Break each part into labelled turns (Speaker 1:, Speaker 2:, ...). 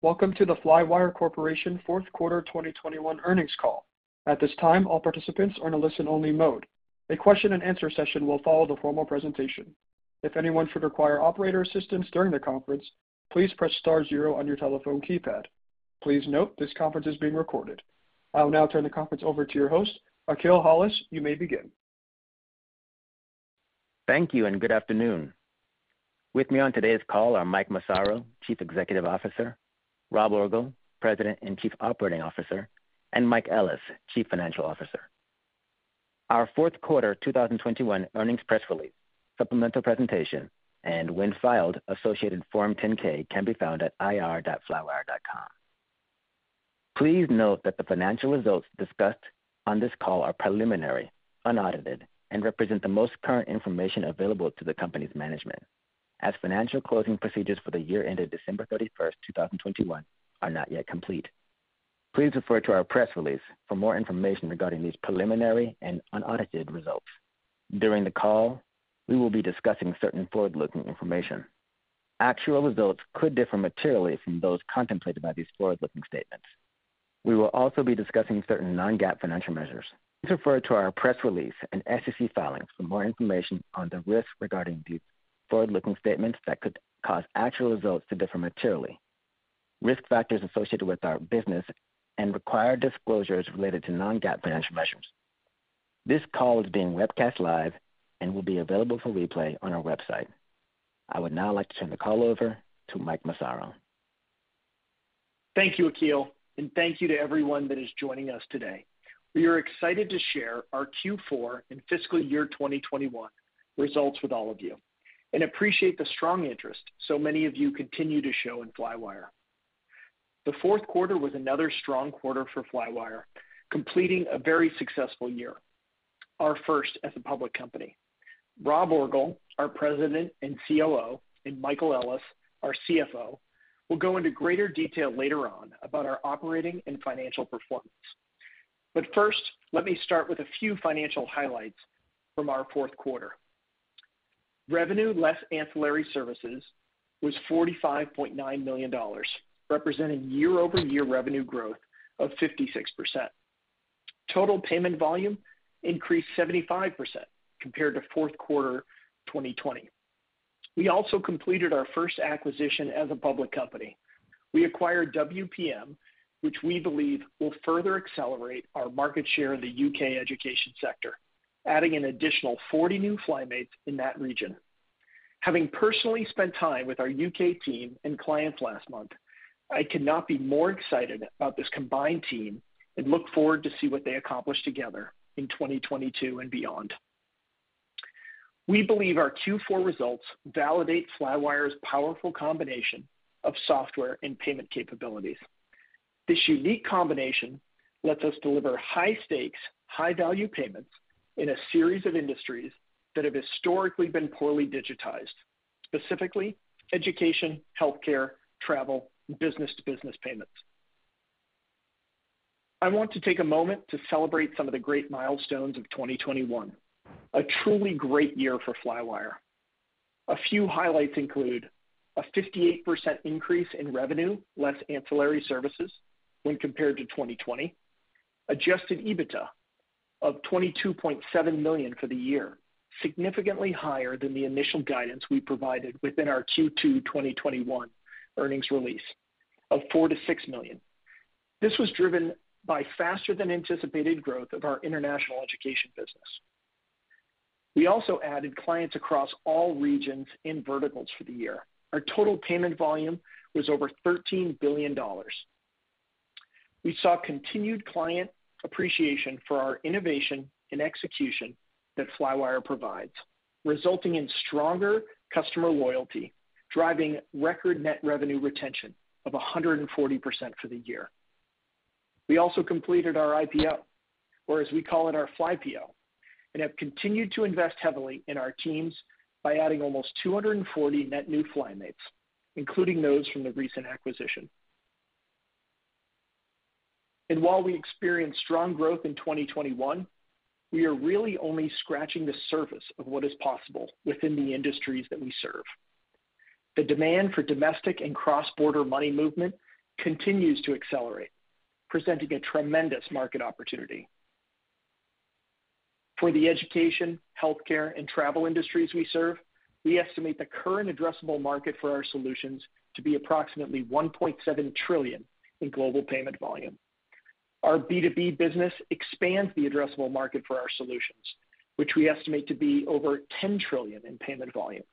Speaker 1: Welcome to the Flywire Corporation Fourth Quarter 2021 Earnings Call. At this time, all participants are in a listen-only mode. A question and answer session will follow the formal presentation. If anyone should require operator assistance during the conference, please press star zero on your telephone keypad. Please note this conference is being recorded. I will now turn the conference over to your host. Akil Hollis, you may begin.
Speaker 2: Thank you, and good afternoon. With me on today's call are Mike Massaro, Chief Executive Officer, Rob Orgel, President and Chief Operating Officer, and Mike Ellis, Chief Financial Officer. Our fourth quarter 2021 earnings press release, supplemental presentation, and when filed, associated form 10-K can be found at ir.flywire.com. Please note that the financial results discussed on this call are preliminary, unaudited, and represent the most current information available to the company's management, as financial closing procedures for the year ended December 31st, 2021 are not yet complete. Please refer to our press release for more information regarding these preliminary and unaudited results. During the call, we will be discussing certain forward-looking information. Actual results could differ materially from those contemplated by these forward-looking statements. We will also be discussing certain non-GAAP financial measures. Please refer to our press release and SEC filings for more information on the risks regarding the forward-looking statements that could cause actual results to differ materially, risk factors associated with our business, and required disclosures related to non-GAAP financial measures. This call is being webcast live and will be available for replay on our website. I would now like to turn the call over to Mike Massaro.
Speaker 3: Thank you, Akil, and thank you to everyone that is joining us today. We are excited to share our Q4 and fiscal year 2021 results with all of you and appreciate the strong interest so many of you continue to show in Flywire. The fourth quarter was another strong quarter for Flywire, completing a very successful year, our first as a public company. Rob Orgel, our President and COO, and Michael Ellis, our CFO, will go into greater detail later on about our operating and financial performance. First, let me start with a few financial highlights from our fourth quarter. Revenue, less ancillary services, was $45.9 million, representing year-over-year revenue growth of 56%. Total payment volume increased 75% compared to fourth quarter 2020. We also completed our first acquisition as a public company. We acquired WPM, which we believe will further accelerate our market share in the U.K. education sector, adding an additional 40 new FlyMates in that region. Having personally spent time with our U.K. team and clients last month, I could not be more excited about this combined team and look forward to see what they accomplish together in 2022 and beyond. We believe our Q4 results validate Flywire's powerful combination of software and payment capabilities. This unique combination lets us deliver high stakes, high-value payments in a series of industries that have historically been poorly digitized, specifically education, healthcare, travel, and business-to-business payments. I want to take a moment to celebrate some of the great milestones of 2021, a truly great year for Flywire. A few highlights include a 58% increase in revenue, less ancillary services when compared to 2020. Adjusted EBITDA of $22.7 million for the year, significantly higher than the initial guidance we provided within our Q2 2021 earnings release of $4 million-$6 million. This was driven by faster than anticipated growth of our international education business. We also added clients across all regions and verticals for the year. Our total payment volume was over $13 billion. We saw continued client appreciation for our innovation and execution that Flywire provides, resulting in stronger customer loyalty, driving record net revenue retention of 140% for the year. We also completed our IPO, or as we call it, our FlyPO, and have continued to invest heavily in our teams by adding almost 240 net new FlyMates, including those from the recent acquisition. While we experienced strong growth in 2021, we are really only scratching the surface of what is possible within the industries that we serve. The demand for domestic and cross-border money movement continues to accelerate, presenting a tremendous market opportunity. For the education, healthcare, and travel industries we serve, we estimate the current addressable market for our solutions to be approximately $1.7 trillion in global payment volume. Our B2B business expands the addressable market for our solutions, which we estimate to be over $10 trillion in payment volume.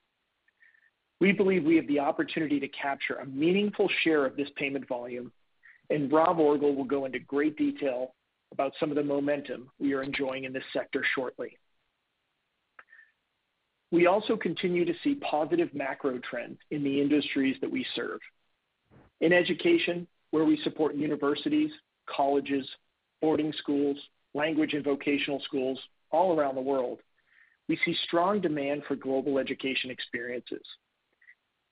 Speaker 3: We believe we have the opportunity to capture a meaningful share of this payment volume, and Rob Orgel will go into great detail about some of the momentum we are enjoying in this sector shortly. We also continue to see positive macro trends in the industries that we serve. In education, where we support universities, colleges, boarding schools, language and vocational schools all around the world, we see strong demand for global education experiences.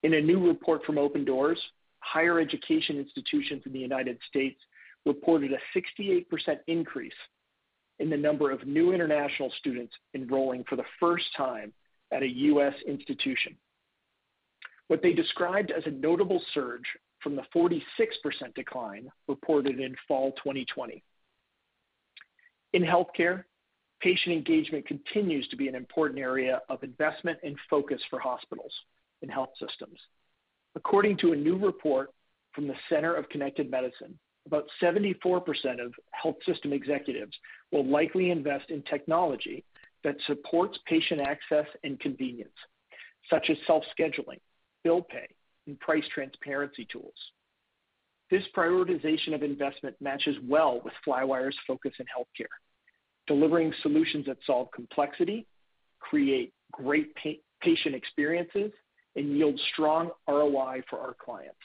Speaker 3: In a new report from Open Doors, higher education institutions in the United States reported a 68% increase in the number of new international students enrolling for the first time at a U.S. institution. What they described as a notable surge from the 46% decline reported in fall 2020. In healthcare, patient engagement continues to be an important area of investment and focus for hospitals and health systems. According to a new report from the Center for Connected Medicine, about 74% of health system executives will likely invest in technology that supports patient access and convenience, such as self-scheduling, bill pay, and price transparency tools. This prioritization of investment matches well with Flywire's focus in healthcare, delivering solutions that solve complexity, create great patient experiences, and yield strong ROI for our clients.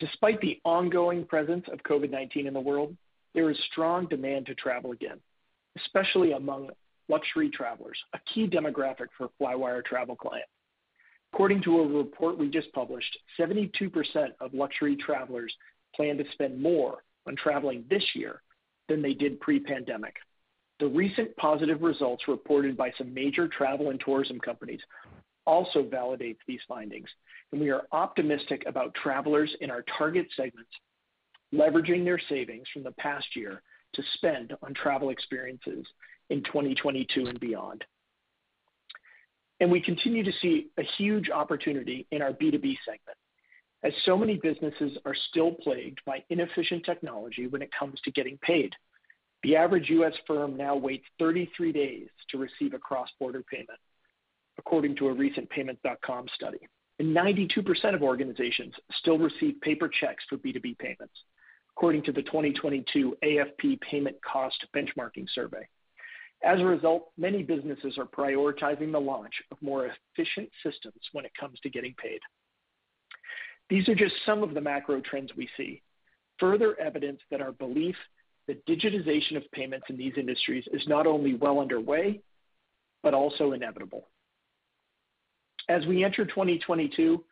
Speaker 3: Despite the ongoing presence of COVID-19 in the world, there is strong demand to travel again, especially among luxury travelers, a key demographic for Flywire travel client. According to a report we just published, 72% of luxury travelers plan to spend more when traveling this year than they did pre-pandemic. The recent positive results reported by some major travel and tourism companies also validates these findings, and we are optimistic about travelers in our target segments leveraging their savings from the past year to spend on travel experiences in 2022 and beyond. We continue to see a huge opportunity in our B2B segment, as so many businesses are still plagued by inefficient technology when it comes to getting paid. The average U.S. firm now waits 33 days to receive a cross-border payment, according to a recent PYMNTS.com study. 92% of organizations still receive paper checks for B2B payments, according to the 2022 AFP Payments Cost Benchmarking Survey. As a result, many businesses are prioritizing the launch of more efficient systems when it comes to getting paid. These are just some of the macro trends we see. Further evidence that our belief that digitization of payments in these industries is not only well underway but also inevitable. As we enter 2022,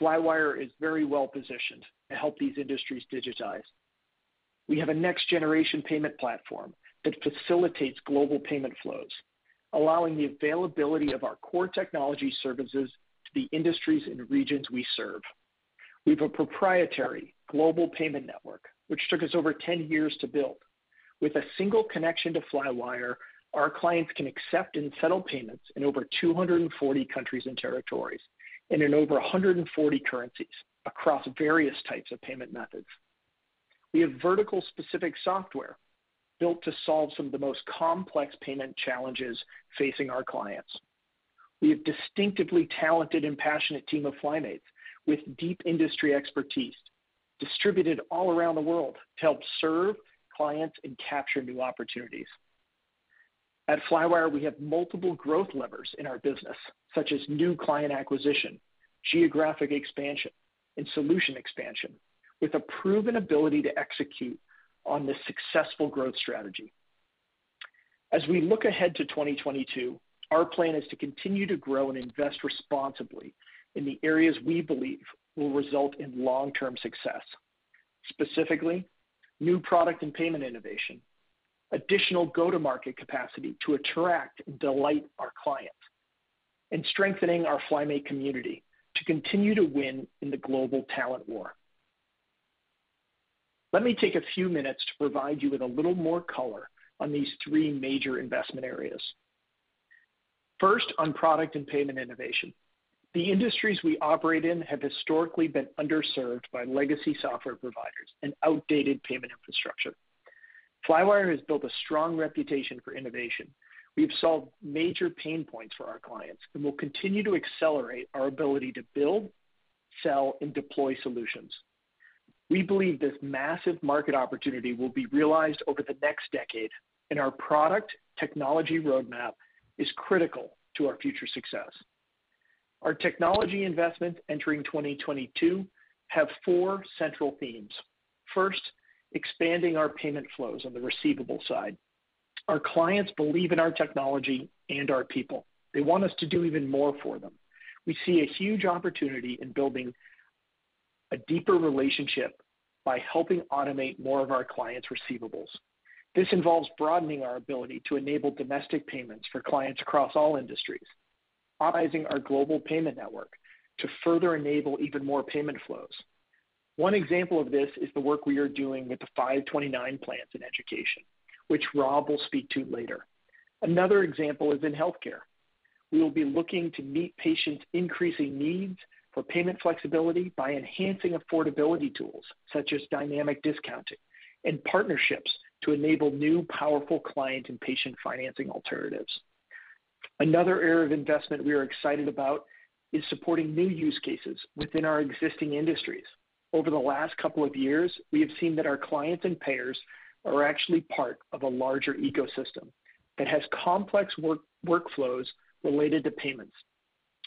Speaker 3: Flywire is very well positioned to help these industries digitize. We have a next-generation payment platform that facilitates global payment flows, allowing the availability of our core technology services to the industries and regions we serve. We have a proprietary global payment network, which took us over 10 years to build. With a single connection to Flywire, our clients can accept and settle payments in over 240 countries and territories and in over 140 currencies across various types of payment methods. We have vertical specific software built to solve some of the most complex payment challenges facing our clients. We have distinctively talented and passionate team of FlyMates with deep industry expertise distributed all around the world to help serve clients and capture new opportunities. At Flywire, we have multiple growth levers in our business, such as new client acquisition, geographic expansion, and solution expansion, with a proven ability to execute on this successful growth strategy. As we look ahead to 2022, our plan is to continue to grow and invest responsibly in the areas we believe will result in long-term success, specifically new product and payment innovation, additional go-to-market capacity to attract and delight our clients, and strengthening our FlyMates community to continue to win in the global talent war. Let me take a few minutes to provide you with a little more color on these three major investment areas. First, on product and payment innovation. The industries we operate in have historically been underserved by legacy software providers and outdated payment infrastructure. Flywire has built a strong reputation for innovation. We have solved major pain points for our clients, and we'll continue to accelerate our ability to build, sell, and deploy solutions. We believe this massive market opportunity will be realized over the next decade, and our product technology roadmap is critical to our future success. Our technology investment entering 2022 have four central themes. First, expanding our payment flows on the receivable side. Our clients believe in our technology and our people. They want us to do even more for them. We see a huge opportunity in building a deeper relationship by helping automate more of our clients' receivables. This involves broadening our ability to enable domestic payments for clients across all industries, optimizing our global payment network to further enable even more payment flows. One example of this is the work we are doing with the 529 plans in education, which Rob will speak to later. Another example is in healthcare. We will be looking to meet patients' increasing needs for payment flexibility by enhancing affordability tools such as dynamic discounting and partnerships to enable new powerful client and patient financing alternatives. Another area of investment we are excited about is supporting new use cases within our existing industries. Over the last couple of years, we have seen that our clients and payers are actually part of a larger ecosystem that has complex workflows related to payments.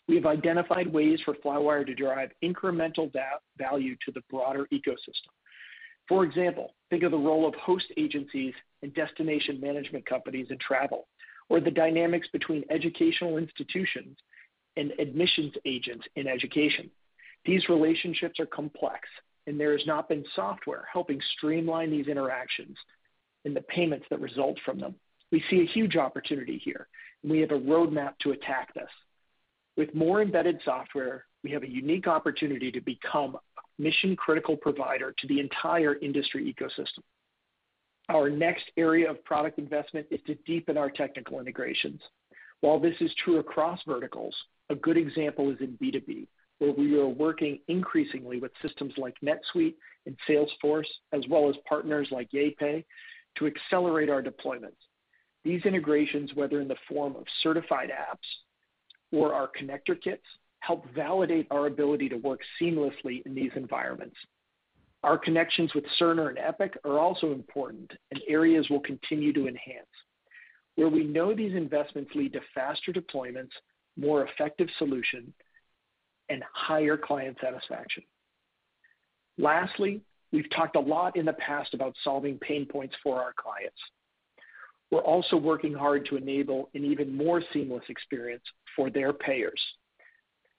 Speaker 3: We've identified ways for Flywire to drive incremental value to the broader ecosystem. For example, think of the role of host agencies and destination management companies in travel, or the dynamics between educational institutions and admissions agents in education. These relationships are complex. There has not been software helping streamline these interactions and the payments that result from them. We see a huge opportunity here, and we have a roadmap to attack this. With more embedded software, we have a unique opportunity to become a mission-critical provider to the entire industry ecosystem. Our next area of product investment is to deepen our technical integrations. While this is true across verticals, a good example is in B2B, where we are working increasingly with systems like NetSuite and Salesforce, as well as partners like YayPay to accelerate our deployments. These integrations, whether in the form of certified apps or our connector kits, help validate our ability to work seamlessly in these environments. Our connections with Cerner and Epic are also important and areas we'll continue to enhance, where we know these investments lead to faster deployments, more effective solution, and higher client satisfaction. Lastly, we've talked a lot in the past about solving pain points for our clients. We're also working hard to enable an even more seamless experience for their payers.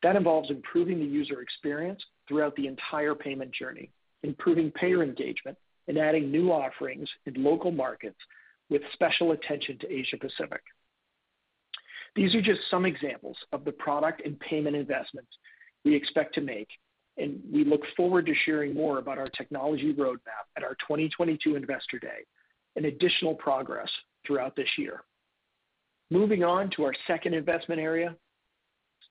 Speaker 3: That involves improving the user experience throughout the entire payment journey, improving payer engagement, and adding new offerings in local markets with special attention to Asia Pacific. These are just some examples of the product and payment investments we expect to make, and we look forward to sharing more about our technology roadmap at our 2022 Investor Day and additional progress throughout this year. Moving on to our second investment area,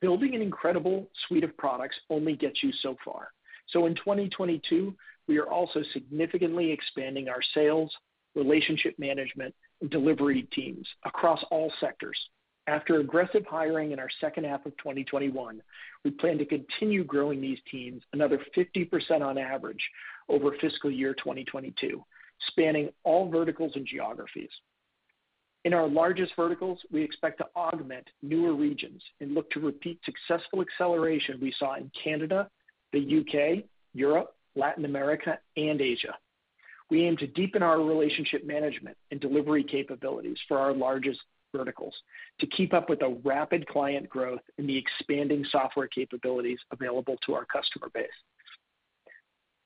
Speaker 3: building an incredible suite of products only gets you so far. In 2022, we are also significantly expanding our sales, relationship management, and delivery teams across all sectors. After aggressive hiring in our second half of 2021, we plan to continue growing these teams another 50% on average over fiscal year 2022, spanning all verticals and geographies. In our largest verticals, we expect to augment newer regions and look to repeat successful acceleration we saw in Canada, the U.K., Europe, Latin America, and Asia. We aim to deepen our relationship management and delivery capabilities for our largest verticals to keep up with the rapid client growth and the expanding software capabilities available to our customer base.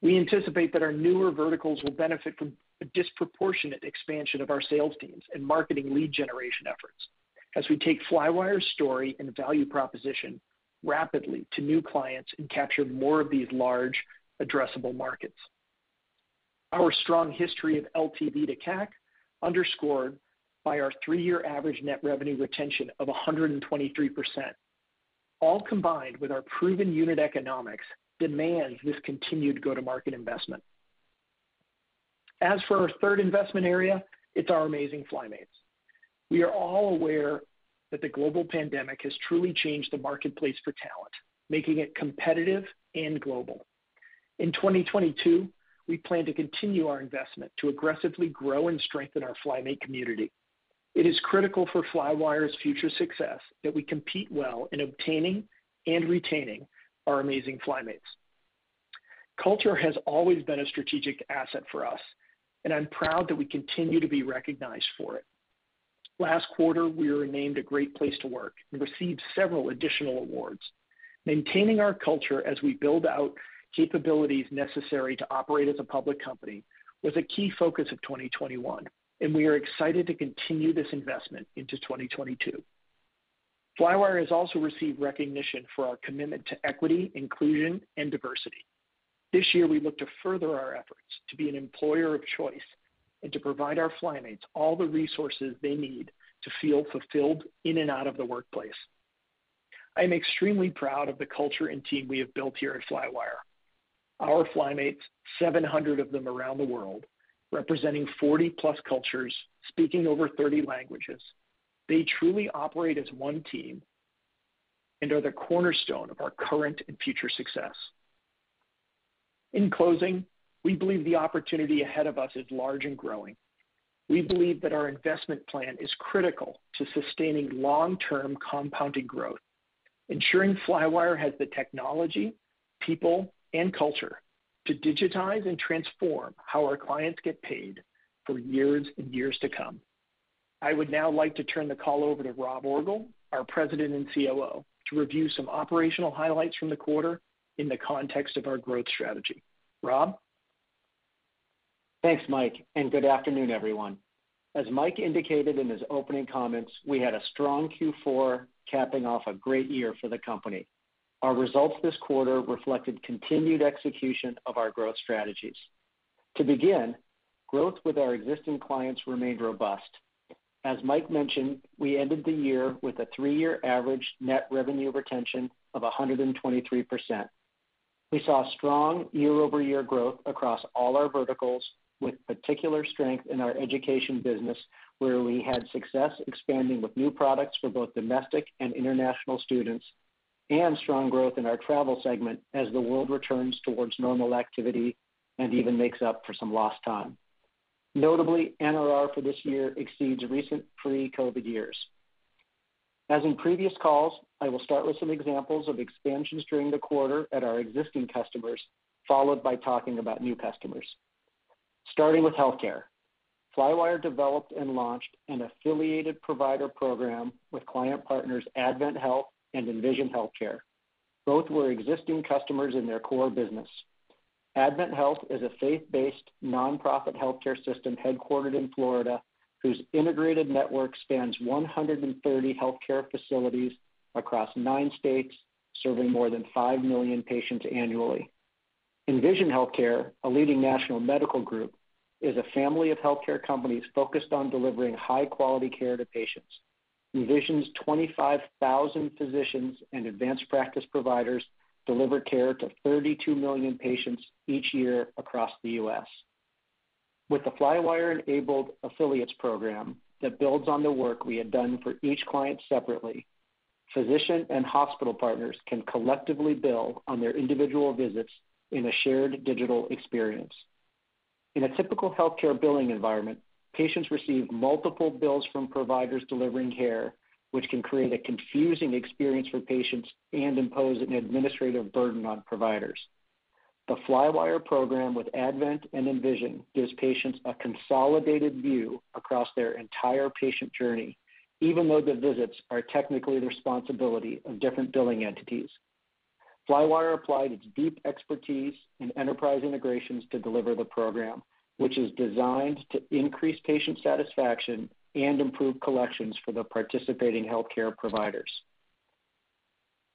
Speaker 3: We anticipate that our newer verticals will benefit from a disproportionate expansion of our sales teams and marketing lead generation efforts as we take Flywire's story and value proposition rapidly to new clients and capture more of these large addressable markets. Our strong history of LTV to CAC underscored by our three-year average net revenue retention of 123%, all combined with our proven unit economics demands this continued go-to-market investment. As for our third investment area, it's our amazing FlyMates. We are all aware that the global pandemic has truly changed the marketplace for talent, making it competitive and global. In 2022, we plan to continue our investment to aggressively grow and strengthen our FlyMates community. It is critical for Flywire's future success that we compete well in obtaining and retaining our amazing FlyMates. Culture has always been a strategic asset for us, and I'm proud that we continue to be recognized for it. Last quarter, we were named a great place to work and received several additional awards. Maintaining our culture as we build out capabilities necessary to operate as a public company was a key focus of 2021, and we are excited to continue this investment into 2022. Flywire has also received recognition for our commitment to equity, inclusion, and diversity. This year, we look to further our efforts to be an employer of choice and to provide our FlyMates all the resources they need to feel fulfilled in and out of the workplace. I am extremely proud of the culture and team we have built here at Flywire. Our FlyMates, 700 of them around the world, representing 40+ cultures, speaking over 30 languages, they truly operate as one team and are the cornerstone of our current and future success. In closing, we believe the opportunity ahead of us is large and growing. We believe that our investment plan is critical to sustaining long-term compounded growth, ensuring Flywire has the technology, people, and culture to digitize and transform how our clients get paid for years and years to come. I would now like to turn the call over to Rob Orgel, our President and COO, to review some operational highlights from the quarter in the context of our growth strategy. Rob?
Speaker 4: Thanks, Mike, and good afternoon, everyone. As Mike indicated in his opening comments, we had a strong Q4 capping off a great year for the company. Our results this quarter reflected continued execution of our growth strategies. To begin, growth with our existing clients remained robust. As Mike mentioned, we ended the year with a three-year average net revenue retention of 123%. We saw strong year-over-year growth across all our verticals, with particular strength in our education business, where we had success expanding with new products for both domestic and international students, and strong growth in our travel segment as the world returns towards normal activity and even makes up for some lost time. Notably, NRR for this year exceeds recent pre-COVID years. As in previous calls, I will start with some examples of expansions during the quarter at our existing customers, followed by talking about new customers. Starting with healthcare. Flywire developed and launched an affiliated provider program with client partners AdventHealth and Envision Healthcare. Both were existing customers in their core business. AdventHealth is a faith-based, nonprofit healthcare system headquartered in Florida, whose integrated network spans 130 healthcare facilities across nine states, serving more than 5 million patients annually. Envision Healthcare, a leading national medical group, is a family of healthcare companies focused on delivering high-quality care to patients. Envision's 25,000 physicians and advanced practice providers deliver care to 32 million patients each year across the U.S. With the Flywire-enabled affiliates program that builds on the work we had done for each client separately, physician and hospital partners can collectively build on their individual visits in a shared digital experience. In a typical healthcare billing environment, patients receive multiple bills from providers delivering care, which can create a confusing experience for patients and impose an administrative burden on providers. The Flywire program with Advent and Envision gives patients a consolidated view across their entire patient journey, even though the visits are technically the responsibility of different billing entities. Flywire applied its deep expertise in enterprise integrations to deliver the program, which is designed to increase patient satisfaction and improve collections for the participating healthcare providers.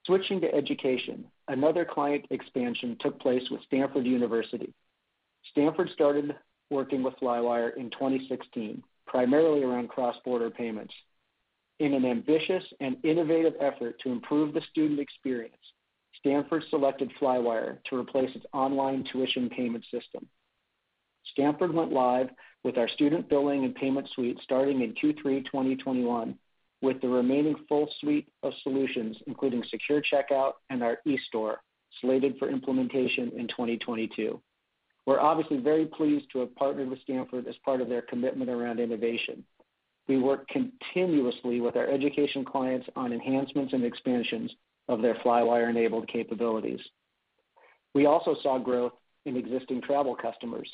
Speaker 4: Switching to education, another client expansion took place with Stanford University. Stanford started working with Flywire in 2016, primarily around cross-border payments. In an ambitious and innovative effort to improve the student experience, Stanford selected Flywire to replace its online tuition payment system. Stanford went live with our student billing and payment suite starting in Q3 2021, with the remaining full suite of solutions, including secure checkout and our eStore, slated for implementation in 2022. We're obviously very pleased to have partnered with Stanford as part of their commitment around innovation. We work continuously with our education clients on enhancements and expansions of their Flywire-enabled capabilities. We also saw growth in existing travel customers.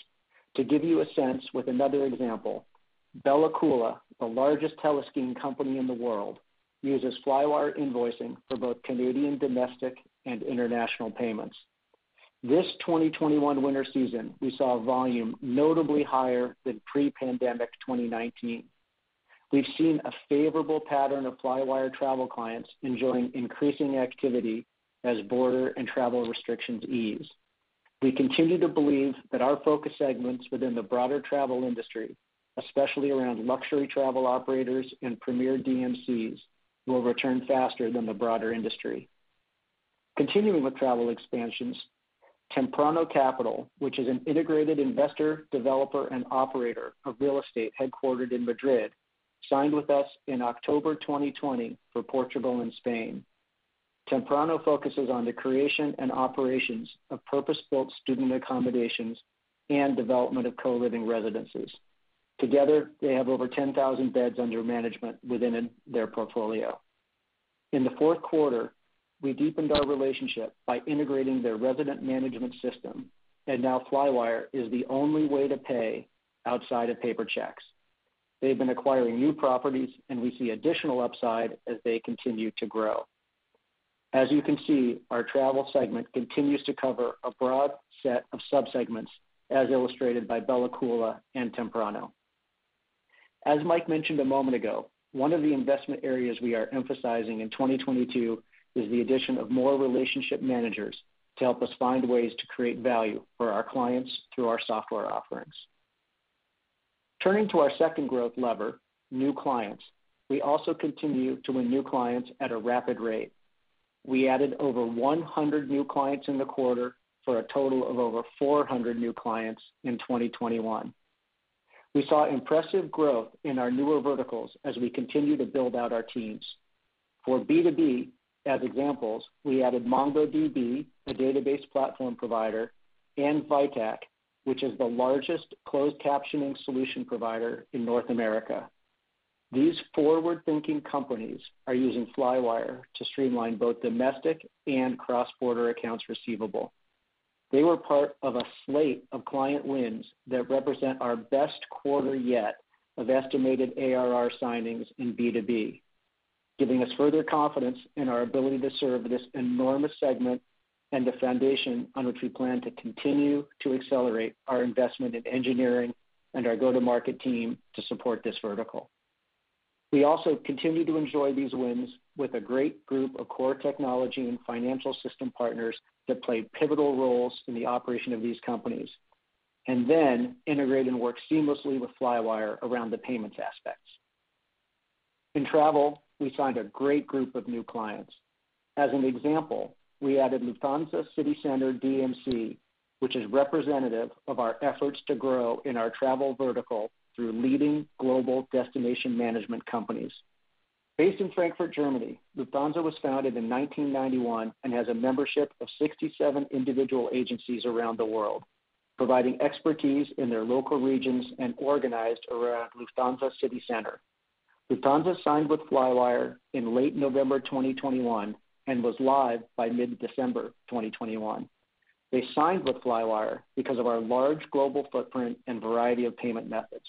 Speaker 4: To give you a sense with another example, Bella Coola, the largest heli skiing company in the world, uses Flywire invoicing for both Canadian domestic and international payments. This 2021 winter season, we saw volume notably higher than pre-pandemic 2019. We've seen a favorable pattern of Flywire travel clients enjoying increasing activity as border and travel restrictions ease. We continue to believe that our focus segments within the broader travel industry, especially around luxury travel operators and premier DMCs, will return faster than the broader industry. Continuing with travel expansions, Temprano Capital, which is an integrated investor, developer, and operator of real estate headquartered in Madrid, signed with us in October 2020 for Portugal and Spain. Temprano focuses on the creation and operations of purpose-built student accommodations and development of co-living residences. Together, they have over 10,000 beds under management within their portfolio. In the fourth quarter, we deepened our relationship by integrating their resident management system, and now Flywire is the only way to pay outside of paper checks. They've been acquiring new properties, and we see additional upside as they continue to grow. As you can see, our travel segment continues to cover a broad set of sub-segments, as illustrated by Bella Coola and Temprano. As Mike mentioned a moment ago, one of the investment areas we are emphasizing in 2022 is the addition of more relationship managers to help us find ways to create value for our clients through our software offerings. Turning to our second growth lever, new clients. We also continue to win new clients at a rapid rate. We added over 100 new clients in the quarter for a total of over 400 new clients in 2021. We saw impressive growth in our newer verticals as we continue to build out our teams. For B2B, as examples, we added MongoDB, a database platform provider, and VITAC, which is the largest closed captioning solution provider in North America. These forward-thinking companies are using Flywire to streamline both domestic and cross-border accounts receivable. They were part of a slate of client wins that represent our best quarter yet of estimated ARR signings in B2B, giving us further confidence in our ability to serve this enormous segment and the foundation on which we plan to continue to accelerate our investment in engineering and our go-to-market team to support this vertical. We also continue to enjoy these wins with a great group of core technology and financial system partners that play pivotal roles in the operation of these companies, and then integrate and work seamlessly with Flywire around the payments aspects. In travel, we signed a great group of new clients. As an example, we added Lufthansa City Center DMC, which is representative of our efforts to grow in our travel vertical through leading global destination management companies. Based in Frankfurt, Germany, Lufthansa was founded in 1991 and has a membership of 67 individual agencies around the world, providing expertise in their local regions and organized around Lufthansa City Center. Lufthansa signed with Flywire in late November 2021 and was live by mid-December 2021. They signed with Flywire because of our large global footprint and variety of payment methods.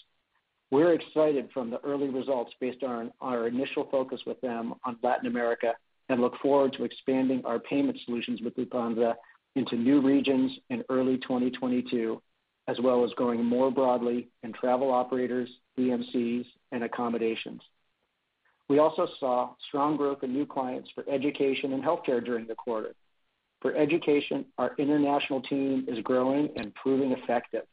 Speaker 4: We're excited from the early results based on our initial focus with them on Latin America, and look forward to expanding our payment solutions with Lufthansa into new regions in early 2022, as well as going more broadly in travel operators, DMCs, and accommodations. We also saw strong growth in new clients for education and healthcare during the quarter. For education, our international team is growing and proving effective.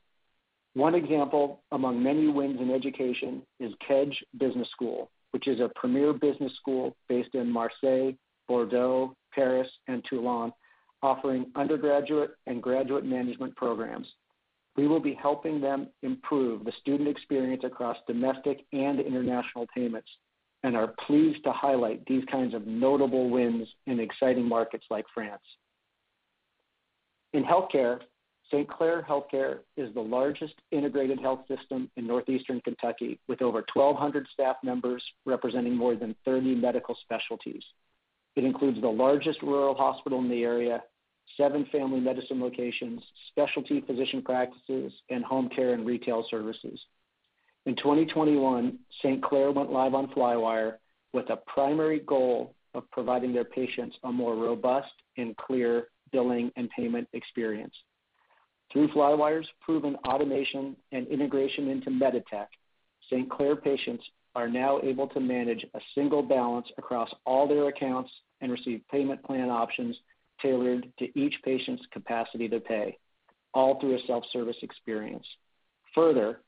Speaker 4: One example among many wins in education is KEDGE Business School, which is a premier business school based in Marseille, Bordeaux, Paris, and Toulon, offering undergraduate and graduate management programs. We will be helping them improve the student experience across domestic and international payments, and are pleased to highlight these kinds of notable wins in exciting markets like France. In healthcare, St. Claire HealthCare is the largest integrated health system in Northeastern Kentucky, with over 1,200 staff members representing more than 30 medical specialties. It includes the largest rural hospital in the area, seven family medicine locations, specialty physician practices, and home care and retail services. In 2021, St. Claire went live on Flywire with the primary goal of providing their patients a more robust and clear billing and payment experience. Through Flywire's proven automation and integration into MEDITECH, St. Claire patients are now able to manage a single balance across all their accounts and receive payment plan options tailored to each patient's capacity to pay, all through a self-service experience. Further,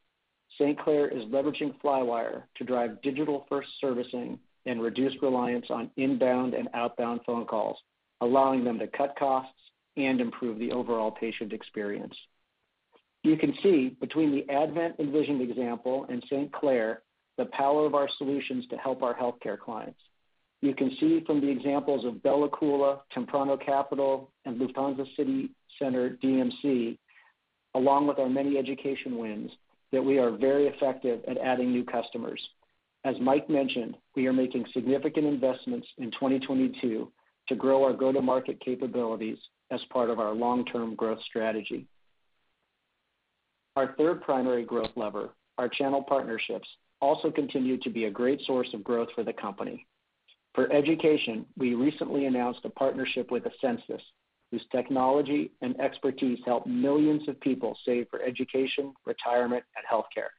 Speaker 4: St. Claire is leveraging Flywire to drive digital-first servicing and reduce reliance on inbound and outbound phone calls, allowing them to cut costs and improve the overall patient experience. You can see between the Advent, Envision example and St. Claire the power of our solutions to help our healthcare clients. You can see from the examples of Bella Coola, Temprano Capital, and Lufthansa City Center DMC, along with our many education wins, that we are very effective at adding new customers. As Mike mentioned, we are making significant investments in 2022 to grow our go-to-market capabilities as part of our long-term growth strategy. Our third primary growth lever, our channel partnerships, also continue to be a great source of growth for the company. For education, we recently announced a partnership with Ascensus, whose technology and expertise help millions of people save for education, retirement, and healthcare.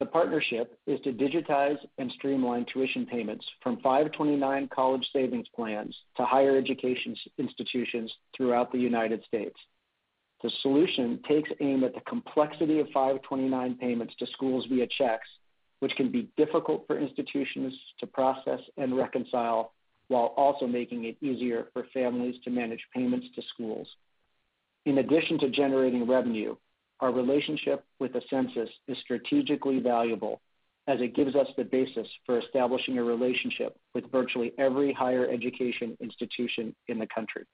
Speaker 4: The partnership is to digitize and streamline tuition payments from 529 college savings plans to higher education institutions throughout the United States. The solution takes aim at the complexity of 529 payments to schools via checks, which can be difficult for institutions to process and reconcile, while also making it easier for families to manage payments to schools. In addition to generating revenue, our relationship with Ascensus is strategically valuable as it gives us the basis for establishing a relationship with virtually every higher education institution in the country.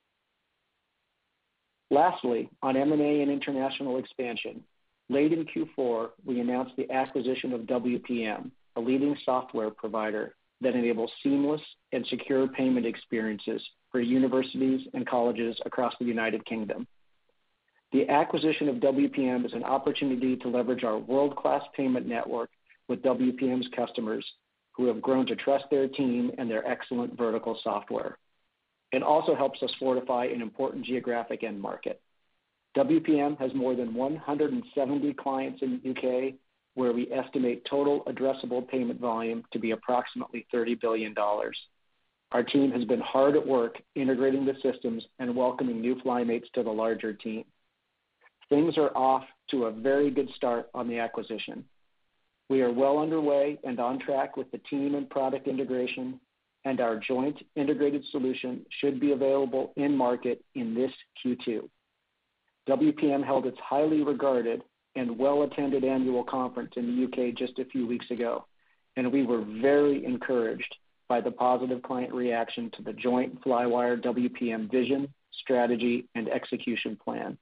Speaker 4: Lastly, on M&A and international expansion, late in Q4, we announced the acquisition of WPM, a leading software provider that enables seamless and secure payment experiences for universities and colleges across the United Kingdom. The acquisition of WPM is an opportunity to leverage our world-class payment network with WPM's customers who have grown to trust their team and their excellent vertical software. It also helps us fortify an important geographic end market. WPM has more than 170 clients in the U.K., where we estimate total addressable payment volume to be approximately $30 billion. Our team has been hard at work integrating the systems and welcoming new FlyMates to the larger team. Things are off to a very good start on the acquisition. We are well underway and on track with the team and product integration, and our joint integrated solution should be available in market in this Q2. WPM held its highly regarded and well-attended annual conference in the U.K. just a few weeks ago, and we were very encouraged by the positive client reaction to the joint Flywire WPM vision, strategy, and execution plan.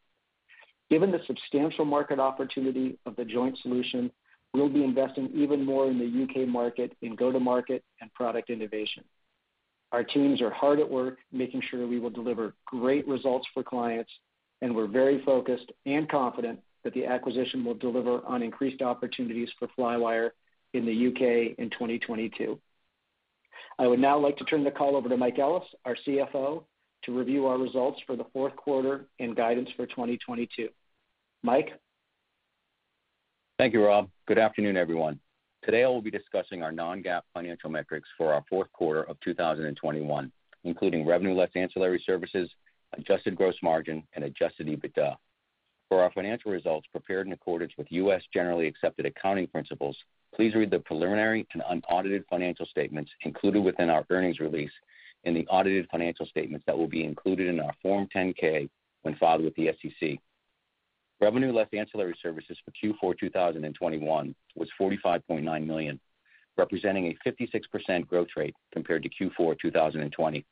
Speaker 4: Given the substantial market opportunity of the joint solution, we'll be investing even more in the U.K. market in go-to-market and product innovation. Our teams are hard at work making sure we will deliver great results for clients, and we're very focused and confident that the acquisition will deliver on increased opportunities for Flywire in the U.K. in 2022. I would now like to turn the call over to Mike Ellis, our CFO, to review our results for the fourth quarter and guidance for 2022. Mike?
Speaker 5: Thank you, Rob. Good afternoon, everyone. Today I will be discussing our non-GAAP financial metrics for our fourth quarter of 2021, including revenue less ancillary services, adjusted gross margin, and adjusted EBITDA. For our financial results prepared in accordance with U.S. generally accepted accounting principles, please read the preliminary and unaudited financial statements included within our earnings release and the audited financial statements that will be included in our Form 10-K when filed with the SEC. Revenue less ancillary services for Q4 2021 was $45.9 million, representing a 56% growth rate compared to Q4 2020.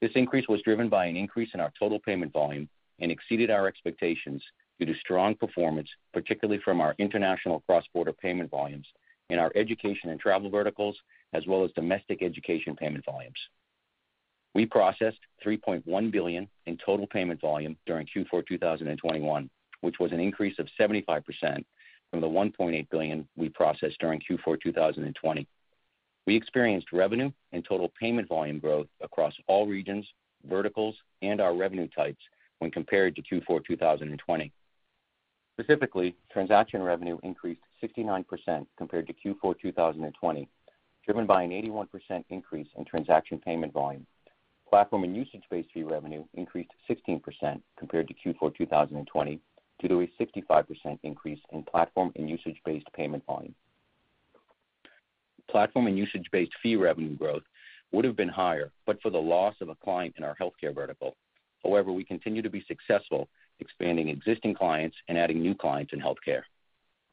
Speaker 5: This increase was driven by an increase in our total payment volume and exceeded our expectations due to strong performance, particularly from our international cross-border payment volumes in our education and travel verticals, as well as domestic education payment volumes. We processed $3.1 billion in total payment volume during Q4 2021, which was an increase of 75% from the $1.8 billion we processed during Q4 2020. We experienced revenue and total payment volume growth across all regions, verticals, and our revenue types when compared to Q4 2020. Specifically, transaction revenue increased 69% compared to Q4 2020, driven by an 81% increase in transaction payment volume. Platform and usage-based fee revenue increased 16% compared to Q4 2020 due to a 65% increase in platform and usage-based payment volume. Platform and usage-based fee revenue growth would have been higher but for the loss of a client in our healthcare vertical. However, we continue to be successful expanding existing clients and adding new clients in healthcare.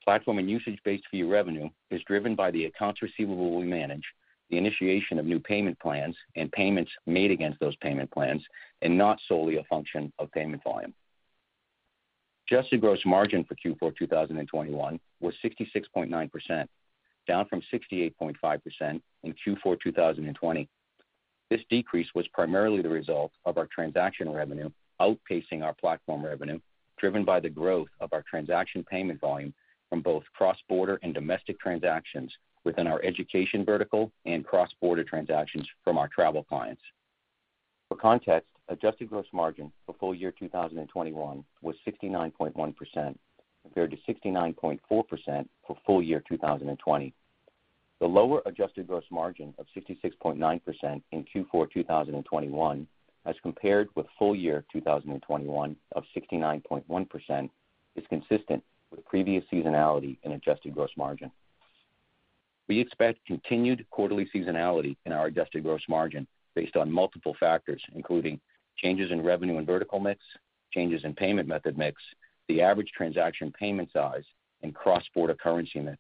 Speaker 5: Platform and usage-based fee revenue is driven by the accounts receivable we manage, the initiation of new payment plans and payments made against those payment plans, and not solely a function of payment volume. Adjusted gross margin for Q4 2021 was 66.9%, down from 68.5% in Q4 2020. This decrease was primarily the result of our transaction revenue outpacing our platform revenue, driven by the growth of our transaction payment volume from both cross-border and domestic transactions within our education vertical and cross-border transactions from our travel clients. For context, adjusted gross margin for full year 2021 was 69.1% compared to 69.4% for full year 2020. The lower adjusted gross margin of 66.9% in Q4 2021 as compared with full year 2021 of 69.1% is consistent with previous seasonality in adjusted gross margin. We expect continued quarterly seasonality in our adjusted gross margin based on multiple factors, including changes in revenue and vertical mix, changes in payment method mix, the average transaction payment size, and cross-border currency mix.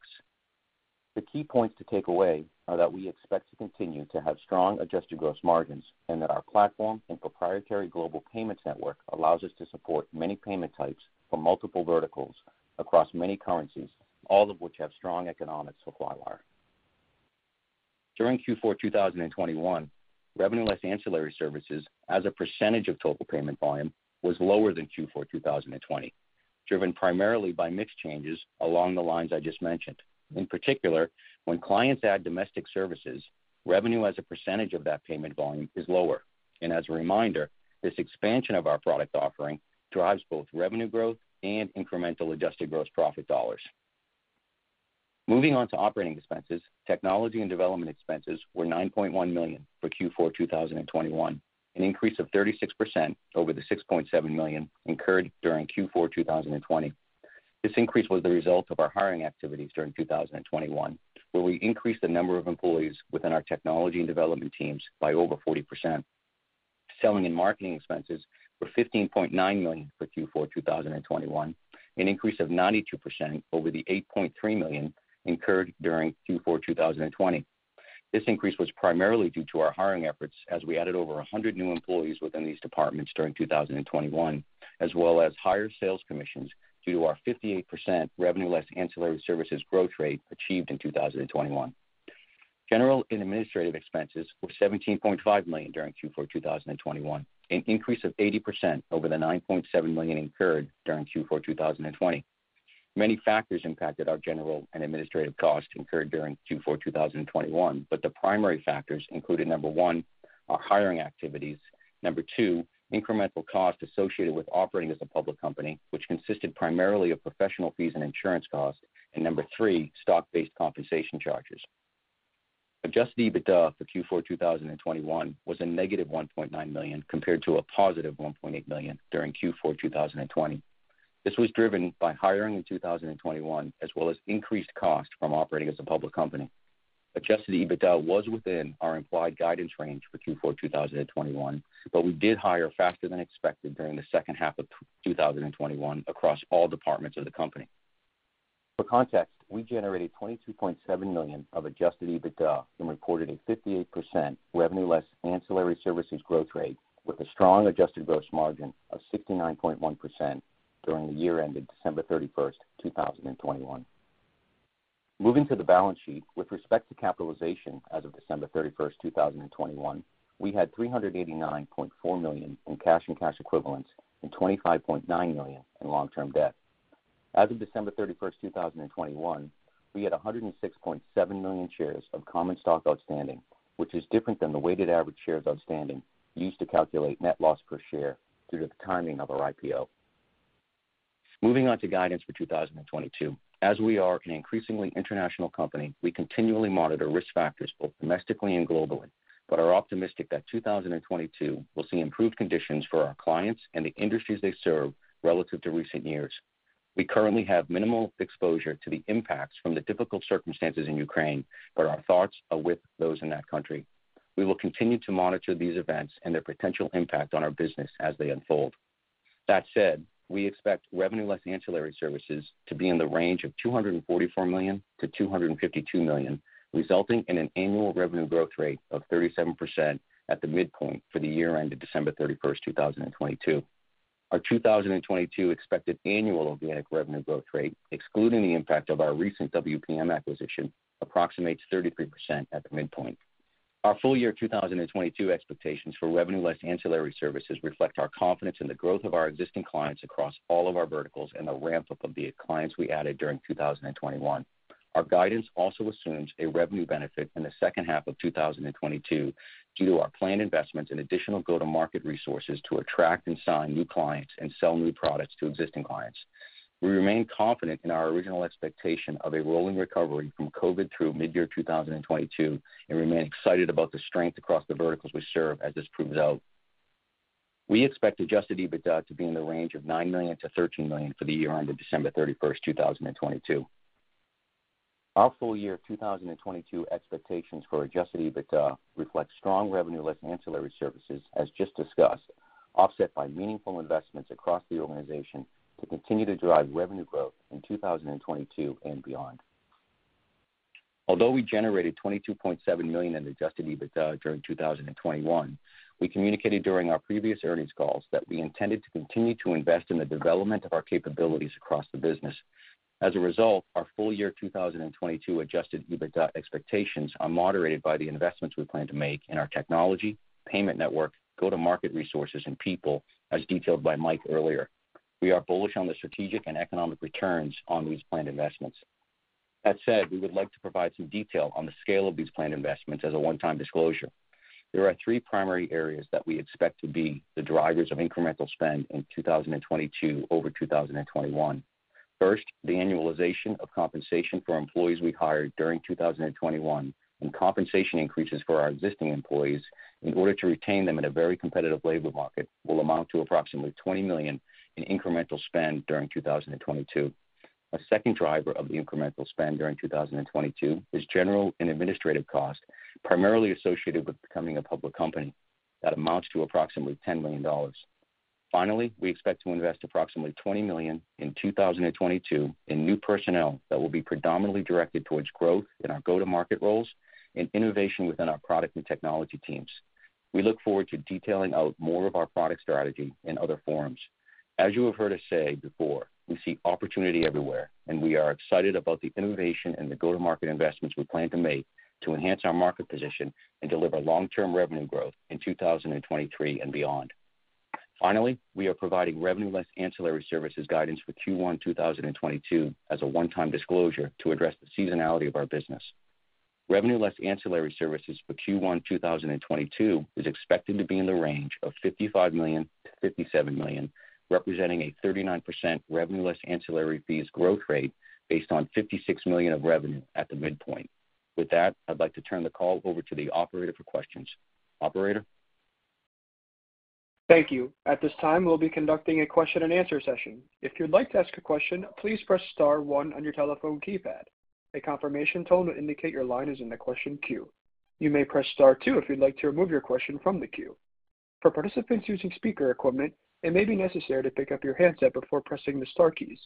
Speaker 5: The key points to take away are that we expect to continue to have strong adjusted gross margins, and that our platform and proprietary global payment network allows us to support many payment types for multiple verticals across many currencies, all of which have strong economics for Flywire. During Q4 2021, revenue less ancillary services as a percentage of total payment volume was lower than Q4 2020, driven primarily by mix changes along the lines I just mentioned. In particular, when clients add domestic services, revenue as a percentage of that payment volume is lower. As a reminder, this expansion of our product offering drives both revenue growth and incremental adjusted gross profit dollars. Moving on to operating expenses, technology and development expenses were $9.1 million for Q4 2021, an increase of 36% over the $6.7 million incurred during Q4 2020. This increase was the result of our hiring activities during 2021, where we increased the number of employees within our technology and development teams by over 40%. Selling and marketing expenses were $15.9 million for Q4 2021, an increase of 92% over the $8.3 million incurred during Q4 2020. This increase was primarily due to our hiring efforts as we added over 100 new employees within these departments during 2021, as well as higher sales commissions due to our 58% revenue less ancillary services growth rate achieved in 2021. General and administrative expenses were $17.5 million during Q4 2021, an increase of 80% over the $9.7 million incurred during Q4 2020. Many factors impacted our general and administrative costs incurred during Q4 2021, but the primary factors included, number one, our hiring activities, number two, incremental costs associated with operating as a public company, which consisted primarily of professional fees and insurance costs. Number three, stock-based compensation charges. Adjusted EBITDA for Q4 2021 was -$1.9 million compared to $1.8 million during Q4 2020. This was driven by hiring in 2021, as well as increased cost from operating as a public company. Adjusted EBITDA was within our implied guidance range for Q4 2021, but we did hire faster than expected during the second half of 2021 across all departments of the company. For context, we generated $22.7 million of adjusted EBITDA and reported a 58% revenue less ancillary services growth rate with a strong adjusted gross margin of 69.1% during the year ended December 31st, 2021. Moving to the balance sheet. With respect to capitalization as of December 31st, 2021, we had $389.4 million in cash and cash equivalents and $25.9 million in long-term debt. As of December 31st, 2021, we had 106.7 million shares of common stock outstanding, which is different than the weighted average shares outstanding used to calculate net loss per share due to the timing of our IPO. Moving on to guidance for 2022. As we are an increasingly international company, we continually monitor risk factors both domestically and globally, but are optimistic that 2022 will see improved conditions for our clients and the industries they serve relative to recent years. We currently have minimal exposure to the impacts from the difficult circumstances in Ukraine, but our thoughts are with those in that country. We will continue to monitor these events and their potential impact on our business as they unfold. That said, we expect revenue less ancillary services to be in the range of $244 million-$252 million, resulting in an annual revenue growth rate of 37% at the midpoint for the year end of December 31st, 2022. Our 2022 expected annual organic revenue growth rate, excluding the impact of our recent WPM acquisition, approximates 33% at the midpoint. Our full year 2022 expectations for revenue less ancillary services reflect our confidence in the growth of our existing clients across all of our verticals and the ramp-up of the clients we added during 2021. Our guidance also assumes a revenue benefit in the second half of 2022 due to our planned investments in additional go-to-market resources to attract and sign new clients and sell new products to existing clients. We remain confident in our original expectation of a rolling recovery from COVID through midyear 2022, and remain excited about the strength across the verticals we serve as this proves out. We expect adjusted EBITDA to be in the range of $9 million-$13 million for the year-end of December 31st, 2022. Our full-year 2022 expectations for adjusted EBITDA reflects strong revenue less ancillary services, as just discussed, offset by meaningful investments across the organization to continue to drive revenue growth in 2022 and beyond. Although we generated $22.7 million in adjusted EBITDA during 2021, we communicated during our previous earnings calls that we intended to continue to invest in the development of our capabilities across the business. As a result, our full-year 2022 adjusted EBITDA expectations are moderated by the investments we plan to make in our technology, payment network, go-to-market resources, and people, as detailed by Mike earlier. We are bullish on the strategic and economic returns on these planned investments. That said, we would like to provide some detail on the scale of these planned investments as a one-time disclosure. There are three primary areas that we expect to be the drivers of incremental spend in 2022 over 2021. First, the annualization of compensation for employees we hired during 2021, and compensation increases for our existing employees in order to retain them in a very competitive labor market will amount to approximately $20 million in incremental spend during 2022. A second driver of the incremental spend during 2022 is general and administrative cost, primarily associated with becoming a public company. That amounts to approximately $10 million. Finally, we expect to invest approximately $20 million in 2022 in new personnel that will be predominantly directed towards growth in our go-to-market roles and innovation within our product and technology teams. We look forward to detailing out more of our product strategy in other forums. As you have heard us say before, we see opportunity everywhere, and we are excited about the innovation and the go-to-market investments we plan to make to enhance our market position and deliver long-term revenue growth in 2023 and beyond. Finally, we are providing revenue less ancillary services guidance for Q1 2022 as a one-time disclosure to address the seasonality of our business. Revenue less ancillary services for Q1 2022 is expected to be in the range of $55 million-$57 million, representing a 39% revenue less ancillary fees growth rate based on $56 million of revenue at the midpoint. With that, I'd like to turn the call over to the operator for questions. Operator?
Speaker 1: Thank you. At this time, we'll be conducting a question-and-answer session. If you'd like to ask a question, please press star one on your telephone keypad. A confirmation tone to indicate your line is in the question queue. You may press star two if you'd like to remove your question from the queue. For participants using speaker equipment, it may be necessary to pick up your handset before pressing the star keys.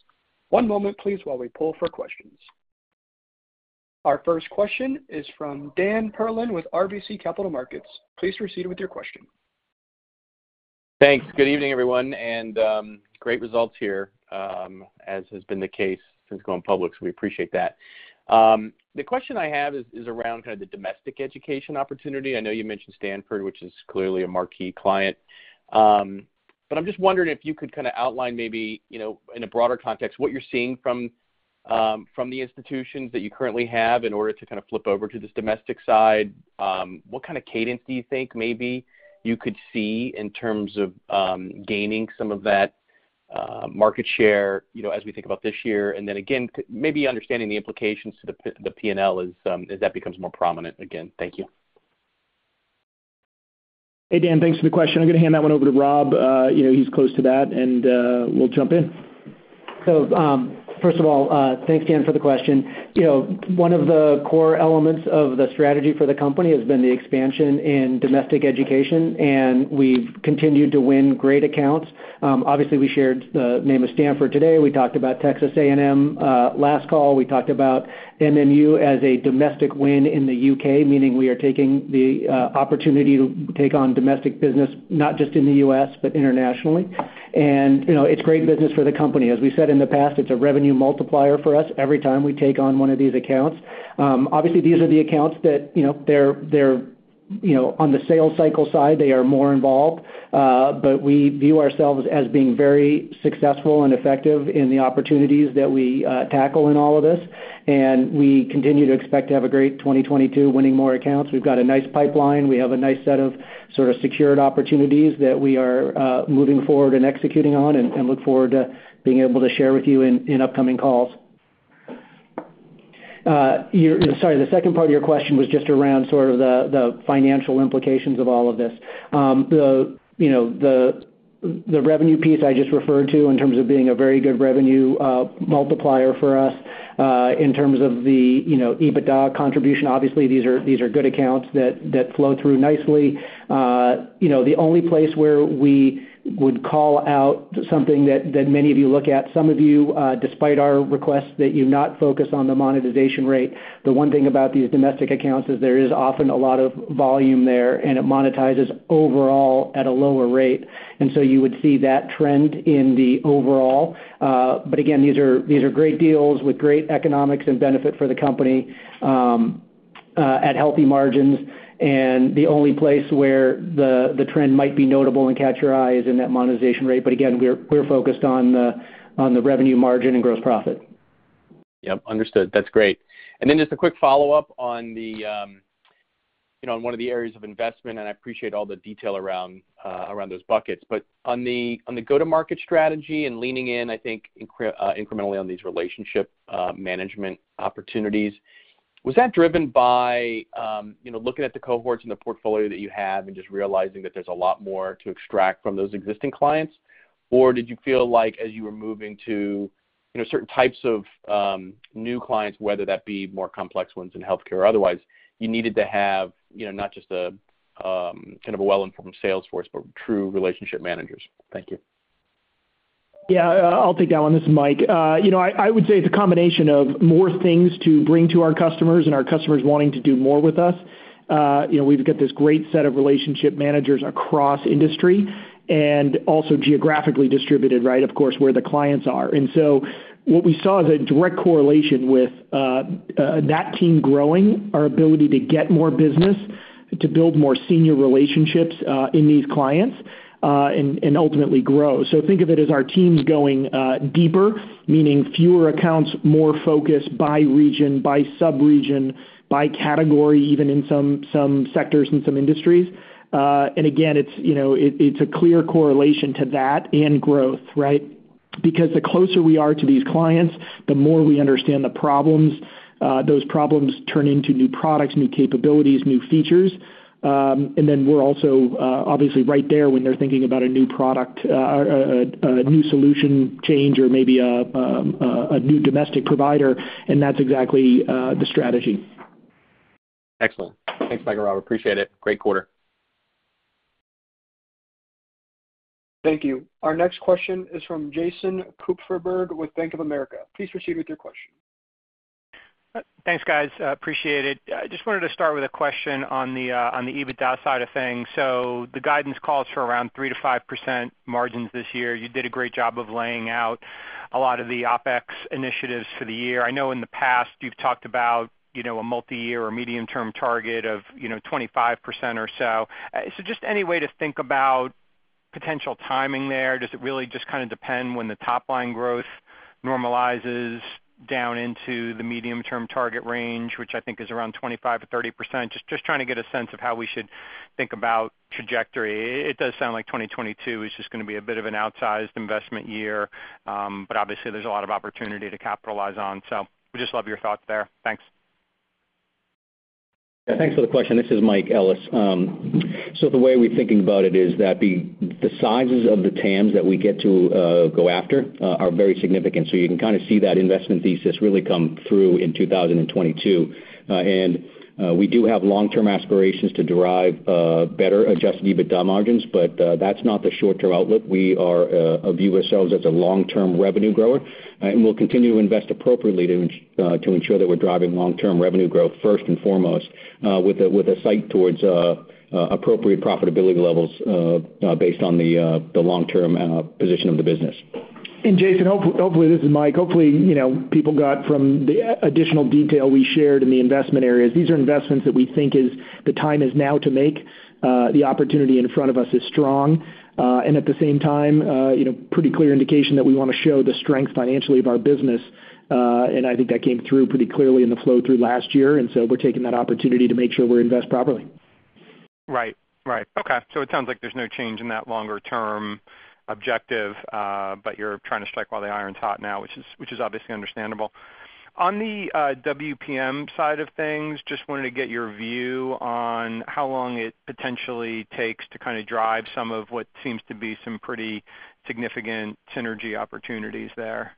Speaker 1: One moment, please, while we poll for questions. Our first question is from Dan Perlin with RBC Capital Markets. Please proceed with your question.
Speaker 6: Thanks. Good evening, everyone, and great results here, as has been the case since going public, so we appreciate that. The question I have is around kinda the domestic education opportunity. I know you mentioned Stanford, which is clearly a marquee client. But I'm just wondering if you could kinda outline maybe, you know, in a broader context, what you're seeing from the institutions that you currently have in order to kinda flip over to this domestic side. What kinda cadence do you think maybe you could see in terms of gaining some of that market share, you know, as we think about this year? And then again, maybe understanding the implications to the P&L as that becomes more prominent again. Thank you.
Speaker 3: Hey, Dan. Thanks for the question. I'm gonna hand that one over to Rob. You know, he's close to that, and we'll jump in.
Speaker 4: First of all, thanks again for the question. You know, one of the core elements of the strategy for the company has been the expansion in domestic education, and we've continued to win great accounts. Obviously, we shared the name of Stanford today. We talked about Texas A&M last call. We talked about MMU as a domestic win in the U.K., meaning we are taking the opportunity to take on domestic business, not just in the U.S., but internationally. You know, it's great business for the company. As we said in the past, it's a revenue multiplier for us every time we take on one of these accounts. Obviously, these are the accounts that, you know, they're on the sales cycle side, they are more involved. We view ourselves as being very successful and effective in the opportunities that we tackle in all of this, and we continue to expect to have a great 2022 winning more accounts. We've got a nice pipeline. We have a nice set of sort of secured opportunities that we are moving forward and executing on, and look forward to being able to share with you in upcoming calls. Sorry, the second part of your question was just around sort of the financial implications of all of this. You know, the revenue piece I just referred to in terms of being a very good revenue multiplier for us in terms of you know, EBITDA contribution. Obviously, these are good accounts that flow through nicely. You know, the only place where we would call out something that many of you look at, some of you, despite our requests that you not focus on the monetization rate, the one thing about these domestic accounts is there is often a lot of volume there, and it monetizes overall at a lower rate. You would see that trend in the overall. Again, these are great deals with great economics and benefit for the company at healthy margins. The only place where the trend might be notable and catch your eye is in that monetization rate. Again, we're focused on the revenue margin and gross profit.
Speaker 6: Yep, understood. That's great. Then just a quick follow-up on one of the areas of investment, and I appreciate all the detail around those buckets. On the go-to-market strategy and leaning in, I think, incrementally on these relationship management opportunities, was that driven by, you know, looking at the cohorts and the portfolio that you have and just realizing that there's a lot more to extract from those existing clients? Or did you feel like as you were moving to certain types of new clients, whether that be more complex ones in healthcare or otherwise, you needed to have not just a kind of a well-informed sales force, but true relationship managers? Thank you.
Speaker 3: Yeah, I'll take that one. This is Mike. You know, I would say it's a combination of more things to bring to our customers and our customers wanting to do more with us. You know, we've got this great set of relationship managers across industry and also geographically distributed, right, of course, where the clients are. What we saw is a direct correlation with that team growing our ability to get more business, to build more senior relationships in these clients and ultimately grow. So think of it as our teams going deeper, meaning fewer accounts, more focused by region, by sub-region, by category, even in some sectors and some industries. Again, it's, you know, it's a clear correlation to that and growth, right? Because the closer we are to these clients, the more we understand the problems. Those problems turn into new products, new capabilities, new features. We're also obviously right there when they're thinking about a new product, a new solution change or maybe a new domestic provider, and that's exactly the strategy.
Speaker 6: Excellent. Thanks, Mike and Rob. Appreciate it. Great quarter.
Speaker 1: Thank you. Our next question is from Jason Kupferberg with Bank of America. Please proceed with your question.
Speaker 7: Thanks, guys. I appreciate it. I just wanted to start with a question on the EBITDA side of things. The guidance calls for around 3%-5% margins this year. You did a great job of laying out a lot of the OpEx initiatives for the year. I know in the past, you've talked about, you know, a multi-year or medium-term target of, you know, 25% or so. Just any way to think about potential timing there. Does it really just kinda depend when the top-line growth normalizes down into the medium-term target range, which I think is around 25%-30%? Just trying to get a sense of how we should think about trajectory. It does sound like 2022 is just gonna be a bit of an outsized investment year, but obviously, there's a lot of opportunity to capitalize on. Would just love your thoughts there. Thanks.
Speaker 5: Thanks for the question. This is Mike Ellis. So the way we're thinking about it is that the sizes of the TAMs that we get to go after are very significant. You can kinda see that investment thesis really come through in 2022. We do have long-term aspirations to derive better adjusted EBITDA margins, but that's not the short-term outlook. We view ourselves as a long-term revenue grower, and we'll continue to invest appropriately to ensure that we're driving long-term revenue growth first and foremost, with a sight towards appropriate profitability levels based on the long-term position of the business.
Speaker 3: Jason, hopefully this is Mike. Hopefully, you know, people got from the additional detail we shared in the investment areas. These are investments that we think the time is now to make. The opportunity in front of us is strong. At the same time, you know, pretty clear indication that we wanna show the strength financially of our business. I think that came through pretty clearly in the flow through last year, so we're taking that opportunity to make sure we invest properly.
Speaker 7: Right. Okay. It sounds like there's no change in that longer-term objective, but you're trying to strike while the iron's hot now, which is obviously understandable. On the WPM side of things, just wanted to get your view on how long it potentially takes to kinda drive some of what seems to be some pretty significant synergy opportunities there.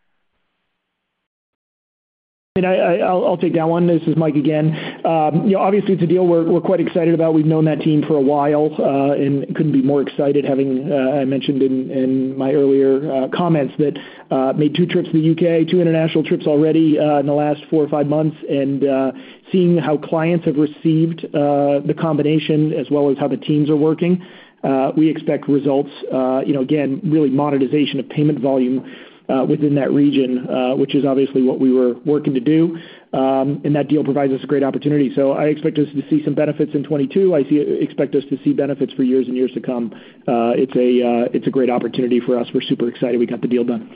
Speaker 3: I'll take that one. This is Mike again. You know, obviously, it's a deal we're quite excited about. We've known that team for a while and couldn't be more excited. I mentioned in my earlier comments that we made two trips to the U.K., two international trips already in the last four or five months, and seeing how clients have received the combination as well as how the teams are working, we expect results, you know, again, real monetization of payment volume within that region, which is obviously what we were working to do. That deal provides us a great opportunity. I expect us to see some benefits in 2022. I expect us to see benefits for years and years to come. It's a great opportunity for us. We're super excited we got the deal done.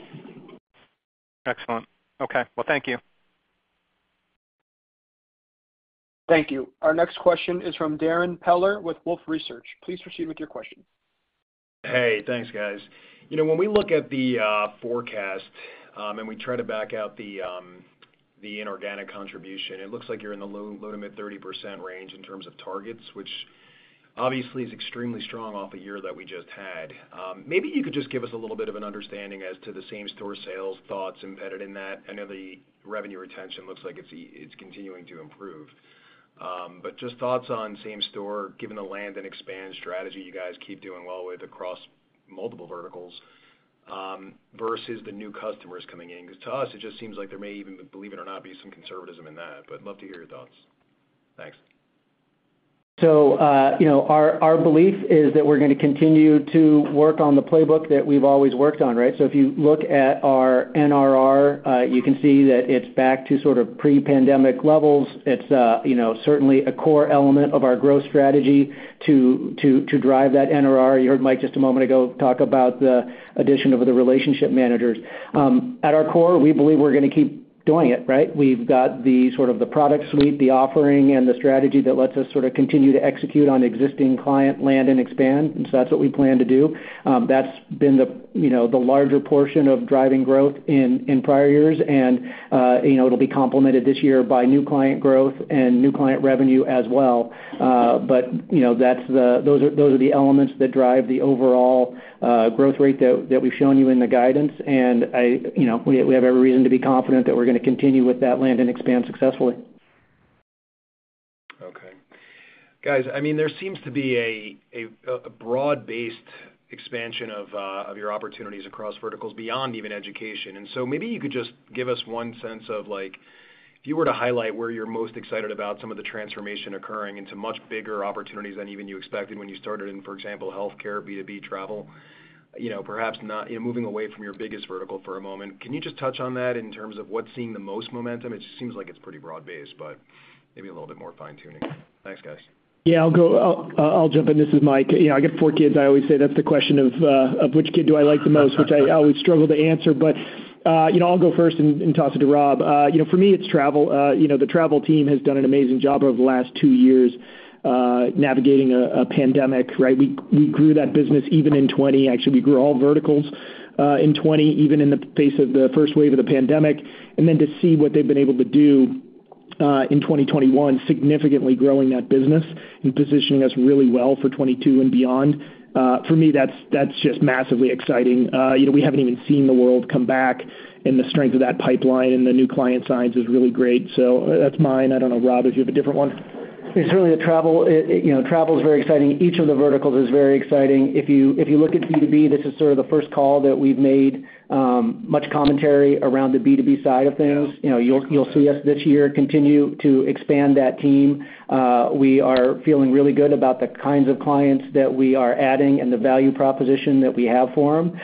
Speaker 7: Excellent. Okay. Well, thank you.
Speaker 1: Thank you. Our next question is from Darrin Peller with Wolfe Research. Please proceed with your question.
Speaker 8: Hey, thanks, guys. You know, when we look at the forecast and we try to back out the inorganic contribution, it looks like you're in the low to mid-30% range in terms of targets, which obviously is extremely strong off the year that we just had. Maybe you could just give us a little bit of an understanding as to the same-store sales thoughts embedded in that. I know the revenue retention looks like it's continuing to improve. Just thoughts on same store, given the land and expand strategy you guys keep doing well with across multiple verticals versus the new customers coming in. Because to us, it just seems like there may even, believe it or not, be some conservatism in that. Love to hear your thoughts. Thanks.
Speaker 4: You know, our belief is that we're gonna continue to work on the playbook that we've always worked on, right? If you look at our NRR, you can see that it's back to sort of pre-pandemic levels. It's you know, certainly a core element of our growth strategy to drive that NRR. You heard Mike just a moment ago talk about the addition of the relationship managers. At our core, we believe we're gonna keep doing it, right? We've got the sort of product suite, the offering, and the strategy that lets us sorta continue to execute on existing client land and expand. That's what we plan to do. That's been the, you know, larger portion of driving growth in prior years. You know, it'll be complemented this year by new client growth and new client revenue as well. You know, those are the elements that drive the overall growth rate that we've shown you in the guidance. You know, we have every reason to be confident that we're gonna continue with that land and expand successfully.
Speaker 8: Okay. Guys, I mean, there seems to be a broad-based expansion of your opportunities across verticals beyond even education. Maybe you could just give us one sense of like, if you were to highlight where you're most excited about some of the transformation occurring into much bigger opportunities than even you expected when you started in, for example, healthcare, B2B travel, you know, perhaps not, you know, moving away from your biggest vertical for a moment, can you just touch on that in terms of what's seeing the most momentum? It just seems like it's pretty broad-based, but maybe a little bit more fine-tuning. Thanks, guys.
Speaker 3: Yeah, I'll go. I'll jump in. This is Mike. You know, I got four kids. I always say that's the question of which kid do I like the most, which I always struggle to answer. You know, I'll go first and toss it to Rob. You know, for me, it's travel. You know, the travel team has done an amazing job over the last two years, navigating a pandemic, right? We grew that business even in 2020. Actually, we grew all verticals in 2020, even in the face of the first wave of the pandemic. To see what they've been able to do in 2021, significantly growing that business and positioning us really well for 2022 and beyond, for me, that's just massively exciting. You know, we haven't even seen the world come back, and the strength of that pipeline and the new client signs is really great. That's mine. I don't know, Rob, if you have a different one.
Speaker 4: It's really the travel. It, you know, travel is very exciting. Each of the verticals is very exciting. If you look at B2B, this is sort of the first call that we've made much commentary around the B2B side of things. You know, you'll see us this year continue to expand that team. We are feeling really good about the kinds of clients that we are adding and the value proposition that we have for them.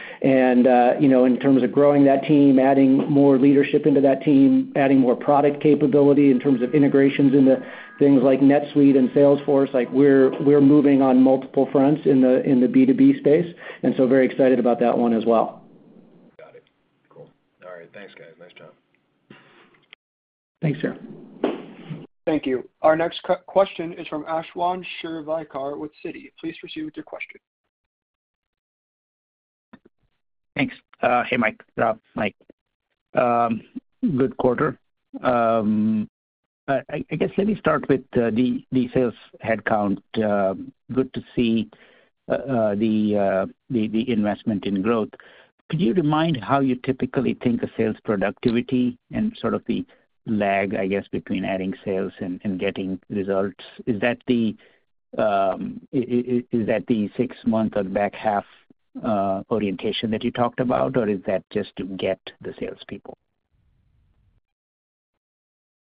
Speaker 4: You know, in terms of growing that team, adding more leadership into that team, adding more product capability in terms of integrations into things like NetSuite and Salesforce, like we're moving on multiple fronts in the B2B space, and so very excited about that one as well.
Speaker 8: Got it. Cool. All right. Thanks, guys. Nice job.
Speaker 4: Thanks, Darrin.
Speaker 1: Thank you. Our next question is from Ashwin Shirvaikar with Citi. Please proceed with your question.
Speaker 9: Thanks. Hey, Mike, Rob. Mike. Good quarter. I guess let me start with the sales headcount. Good to see the investment in growth. Could you remind how you typically think of sales productivity and sort of the lag, I guess, between adding sales and getting results? Is that the six month or the back half orientation that you talked about, or is that just to get the salespeople?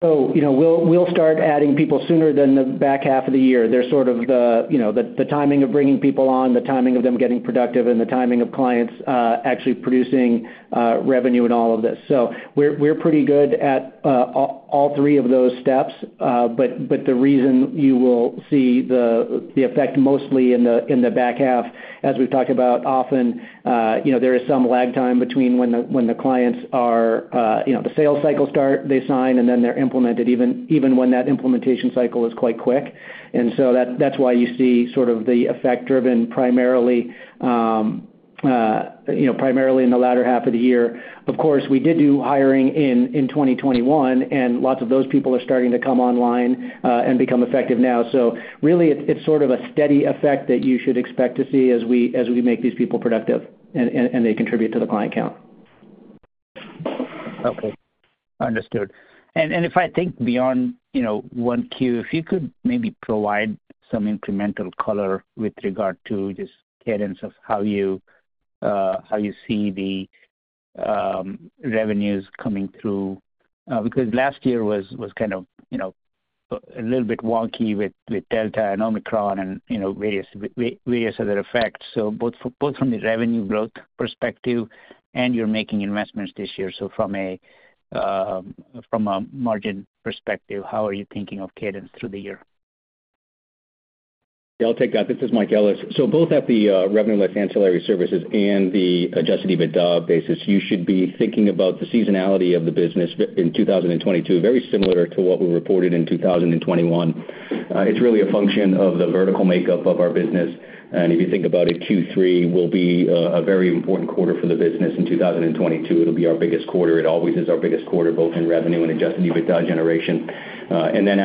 Speaker 4: You know, we'll start adding people sooner than the back half of the year. They're sort of the timing of bringing people on, the timing of them getting productive, and the timing of clients actually producing revenue in all of this. We're pretty good at all three of those steps. The reason you will see the effect mostly in the back half, as we've talked about often, you know, there is some lag time between when the clients are, you know, the sales cycle start, they sign, and then they're implemented even when that implementation cycle is quite quick. That's why you see sort of the effect driven primarily in the latter half of the year. Of course, we did do hiring in 2021, and lots of those people are starting to come online and become effective now. Really, it's sort of a steady effect that you should expect to see as we make these people productive and they contribute to the client count.
Speaker 9: Okay. Understood. If I think beyond, you know, one Q, if you could maybe provide some incremental color with regard to just cadence of how you see the revenues coming through. Because last year was kind of, you know, a little bit wonky with Delta and Omicron and, you know, various other effects. Both from the revenue growth perspective and you're making investments this year. From a margin perspective, how are you thinking of cadence through the year?
Speaker 5: Yeah, I'll take that. This is Mike Ellis. Both at the revenue less ancillary services and the adjusted EBITDA basis, you should be thinking about the seasonality of the business in 2022, very similar to what we reported in 2021. It's really a function of the vertical makeup of our business. If you think about it, Q3 will be a very important quarter for the business in 2022. It'll be our biggest quarter. It always is our biggest quarter, both in revenue and adjusted EBITDA generation.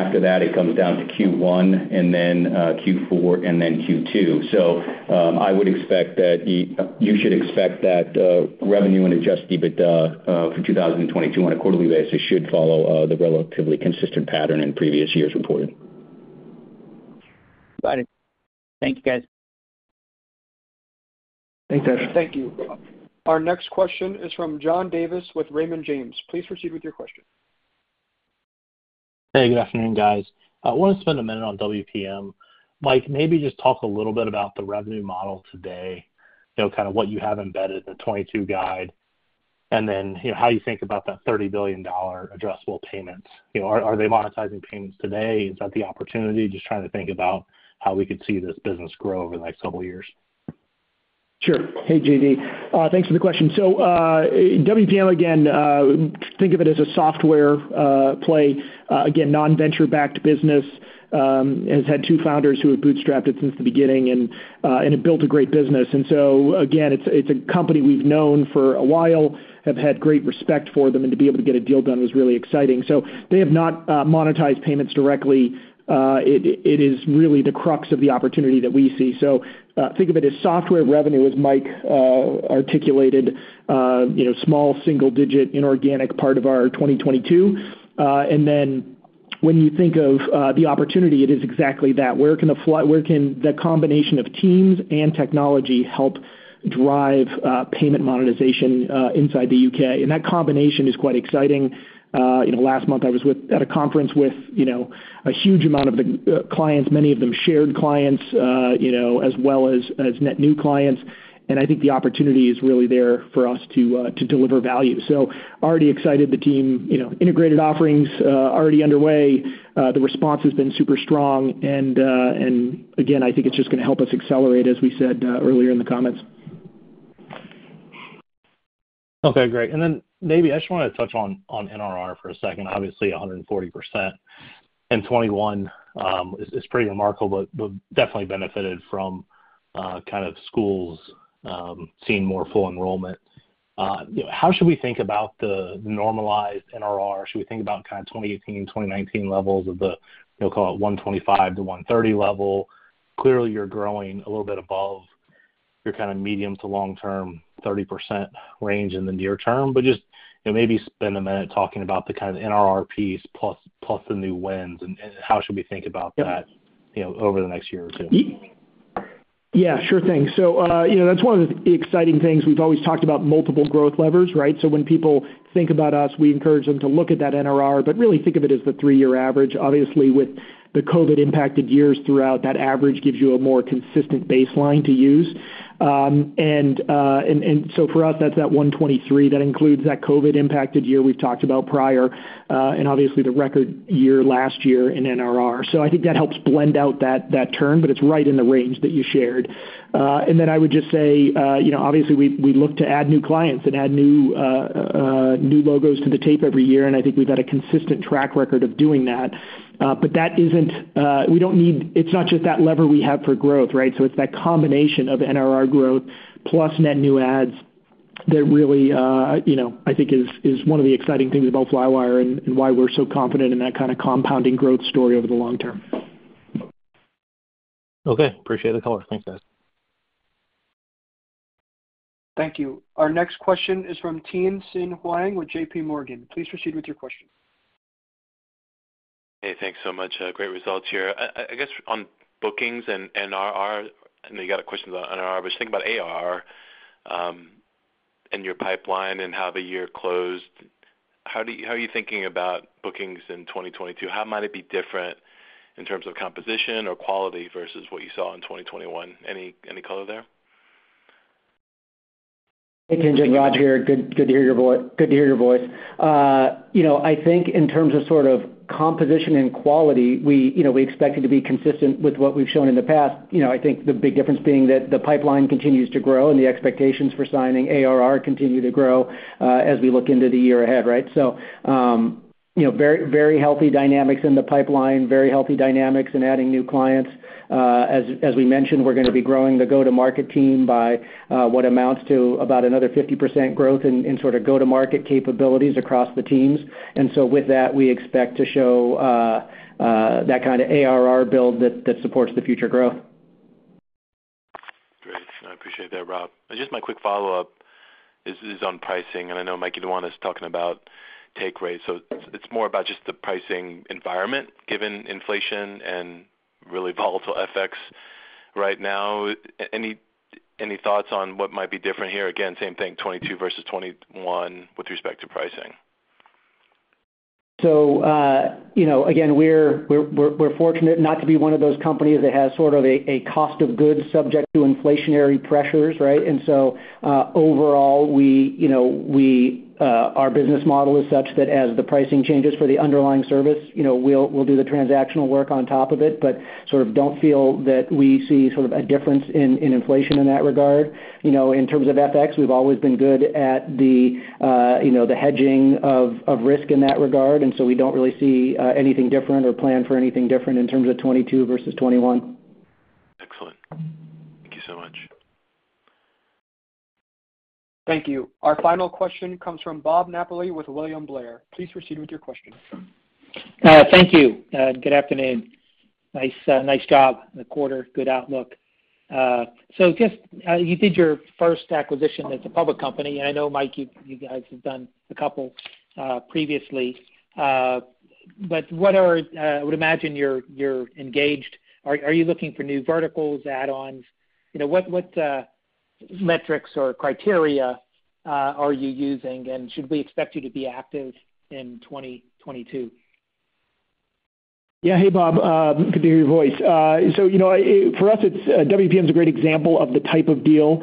Speaker 5: After that, it comes down to Q1 and then Q4, and then Q2. I would expect that you should expect that revenue and adjusted EBITDA for 2022 on a quarterly basis should follow the relatively consistent pattern in previous years reported.
Speaker 9: Got it. Thank you, guys.
Speaker 5: Thanks, Ash.
Speaker 1: Thank you. Our next question is from John Davis with Raymond James. Please proceed with your question.
Speaker 10: Hey, good afternoon, guys. I wanna spend a minute on WPM. Mike, maybe just talk a little bit about the revenue model today, you know, kind of what you have embedded in the 2022 guide, and then, you know, how you think about that $30 billion addressable payments. You know, are they monetizing payments today? Is that the opportunity? Just trying to think about how we could see this business grow over the next couple years.
Speaker 3: Sure. Hey, JD, thanks for the question. WPM again, think of it as a software play again, non-venture-backed business and has had two founders who have bootstrapped it since the beginning and have built a great business. Again, it's a company we've known for a while, have had great respect for them, and to be able to get a deal done was really exciting. They have not monetized payments directly. It is really the crux of the opportunity that we see. Think of it as software revenue, as Mike articulated, you know, small single-digit inorganic part of our 2022. When you think of the opportunity, it is exactly that. Where can the combination of teams and technology help drive payment monetization inside the U.K.? That combination is quite exciting. You know, last month I was at a conference with a huge amount of the clients, many of them shared clients, you know, as well as net new clients. I think the opportunity is really there for us to deliver value. Already excited the team, you know, integrated offerings already underway. The response has been super strong and again, I think it's just gonna help us accelerate as we said earlier in the comments.
Speaker 10: Okay, great. Maybe I just wanna touch on NRR for a second. Obviously 140% in 2021 is pretty remarkable, but definitely benefited from kind of schools seeing more full enrollment. You know, how should we think about the normalized NRR? Should we think about kind of 2018, 2019 levels of the, you know, call it 125%-130% level? Clearly you're growing a little bit above your kind of medium to long term 30% range in the near term, but just, you know, maybe spend a minute talking about the kind of NRR piece plus the new wins and how should we think about that.
Speaker 3: Yep.
Speaker 10: You know, over the next year or two?
Speaker 3: Yeah, sure thing. You know, that's one of the exciting things. We've always talked about multiple growth levers, right? When people think about us, we encourage them to look at that NRR, but really think of it as the three-year average, obviously with the COVID impacted years throughout that average gives you a more consistent baseline to use. For us, that's that 123 that includes that COVID impacted year we've talked about prior, and obviously the record year last year in NRR. I think that helps blend out that term, but it's right in the range that you shared. We look to add new clients and add new logos to the tape every year. I think we've had a consistent track record of doing that. It's not just that lever we have for growth, right? It's that combination of NRR growth plus net new ads that really, you know, I think is one of the exciting things about Flywire and why we're so confident in that kind of compounding growth story over the long term.
Speaker 10: Okay. Appreciate the color. Thanks, guys.
Speaker 1: Thank you. Our next question is from Tien-Tsin Huang with JPMorgan. Please proceed with your question.
Speaker 11: Hey, thanks so much. Great results here. I guess on bookings and NRR, I know you got a question about NRR, but just think about ARR, and your pipeline and how the year closed. How are you thinking about bookings in 2022? How might it be different in terms of composition or quality versus what you saw in 2021? Any color there?
Speaker 4: Hey, Tien, Rob here. Good to hear your voice. You know, I think in terms of sort of composition and quality, we, you know, we expect it to be consistent with what we've shown in the past. You know, I think the big difference being that the pipeline continues to grow and the expectations for signing ARR continue to grow, as we look into the year ahead, right? You know, very healthy dynamics in the pipeline, very healthy dynamics in adding new clients. As we mentioned, we're gonna be growing the go-to-market team by what amounts to about another 50% growth in sort of go-to-market capabilities across the teams. With that, we expect to show that kind of ARR build that supports the future growth.
Speaker 11: Great. I appreciate that, Rob. Just my quick follow-up is on pricing, and I know Mike, you don't want is talking about take rates. It's more about just the pricing environment given inflation and really volatile FX right now. Any thoughts on what might be different here? Again, same thing, 2022 versus 2021 with respect to pricing.
Speaker 5: You know, again, we're fortunate not to be one of those companies that has sort of a cost of goods subject to inflationary pressures, right? Overall, you know, our business model is such that as the pricing changes for the underlying service, you know, we'll do the transactional work on top of it, but we sort of don't feel that we see sort of a difference in inflation in that regard. You know, in terms of FX, we've always been good at the hedging of risk in that regard. We don't really see anything different or plan for anything different in terms of 2022 versus 2021.
Speaker 11: Excellent. Thank you so much.
Speaker 1: Thank you. Our final question comes from Bob Napoli with William Blair. Please proceed with your question.
Speaker 12: Thank you, and good afternoon. Nice job in the quarter, good outlook. So just, you did your first acquisition as a public company, and I know, Mike, you guys have done a couple previously. But what are, I would imagine you're engaged. Are you looking for new verticals, add-ons? You know, what metrics or criteria are you using? And should we expect you to be active in 2022?
Speaker 3: Yeah. Hey, Bob, good to hear your voice. So you know, for us, it's WPM is a great example of the type of deal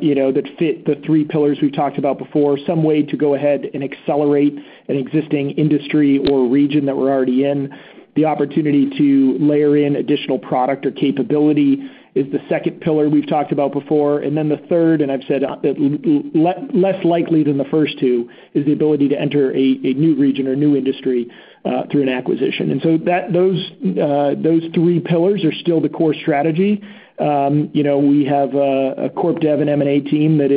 Speaker 3: you know that fit the three pillars we've talked about before. One way to go ahead and accelerate an existing industry or region that we're already in. The opportunity to layer in additional product or capability is the second pillar we've talked about before. Then the third, and I've said less likely than the first two, is the ability to enter a new region or new industry through an acquisition. Those three pillars are still the core strategy. You know, we have a corp dev and M&A team that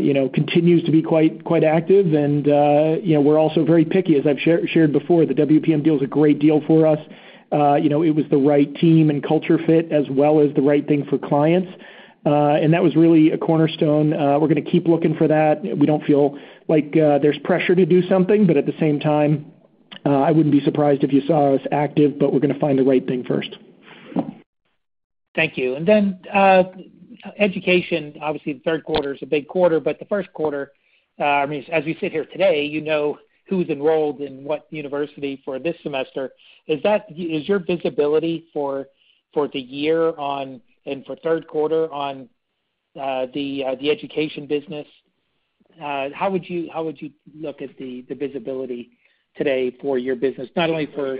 Speaker 3: you know continues to be quite active. You know, we're also very picky. As I've shared before, the WPM deal is a great deal for us. You know, it was the right team and culture fit as well as the right thing for clients. That was really a cornerstone. We're gonna keep looking for that. We don't feel like there's pressure to do something, but at the same time, I wouldn't be surprised if you saw us active, but we're gonna find the right thing first.
Speaker 12: Thank you. Education, obviously the third quarter is a big quarter, but the first quarter, I mean, as we sit here today, you know who's enrolled in what university for this semester. Is your visibility for the year on, and for third quarter on, the education business, how would you look at the visibility today for your business? Not only for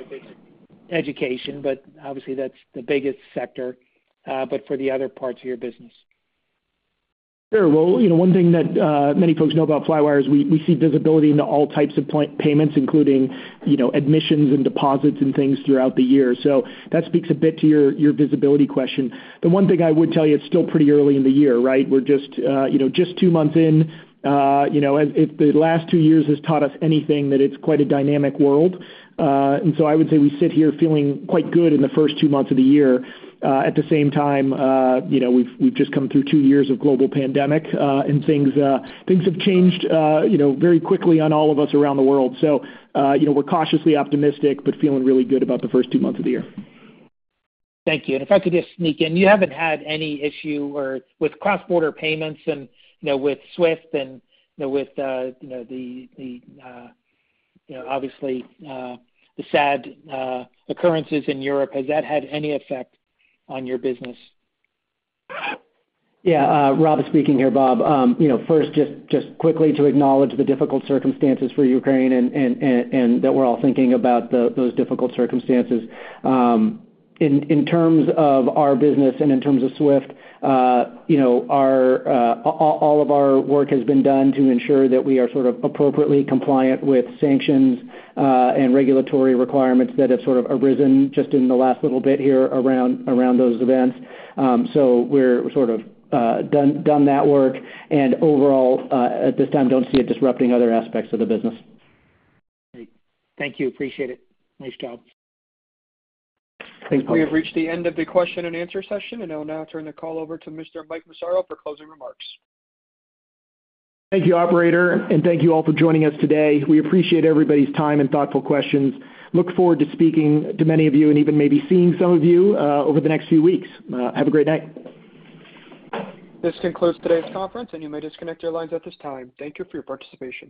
Speaker 12: education, but obviously, that's the biggest sector, but for the other parts of your business.
Speaker 3: Sure. Well, you know, one thing that many folks know about Flywire is we see visibility into all types of payments, including, you know, admissions and deposits and things throughout the year. That speaks a bit to your visibility question. The one thing I would tell you, it's still pretty early in the year, right? We're just two months in. If the last two years has taught us anything, that it's quite a dynamic world. I would say we sit here feeling quite good in the first two months of the year. At the same time, you know, we've just come through two years of global pandemic, and things have changed, you know, very quickly on all of us around the world. You know, we're cautiously optimistic, but feeling really good about the first two months of the year.
Speaker 12: Thank you. If I could just sneak in, you haven't had any issue or with cross-border payments and, you know, with SWIFT and, you know, with, you know, obviously, the sad occurrences in Europe, has that had any effect on your business?
Speaker 4: Yeah. Rob speaking here, Bob. You know, first, just quickly to acknowledge the difficult circumstances for Ukraine and that we're all thinking about those difficult circumstances. In terms of our business and in terms of SWIFT, you know, all of our work has been done to ensure that we are sort of appropriately compliant with sanctions and regulatory requirements that have sort of arisen just in the last little bit here around those events. So we're sort of done that work. Overall, at this time, don't see it disrupting other aspects of the business.
Speaker 12: Great. Thank you. Appreciate it. Nice job.
Speaker 4: Thanks, Bob.
Speaker 1: We have reached the end of the question and answer session. I'll now turn the call over to Mr. Mike Massaro for closing remarks.
Speaker 3: Thank you, operator, and thank you all for joining us today. We appreciate everybody's time and thoughtful questions. We look forward to speaking to many of you and even maybe seeing some of you over the next few weeks. Have a great night.
Speaker 1: This concludes today's conference, and you may disconnect your lines at this time. Thank you for your participation.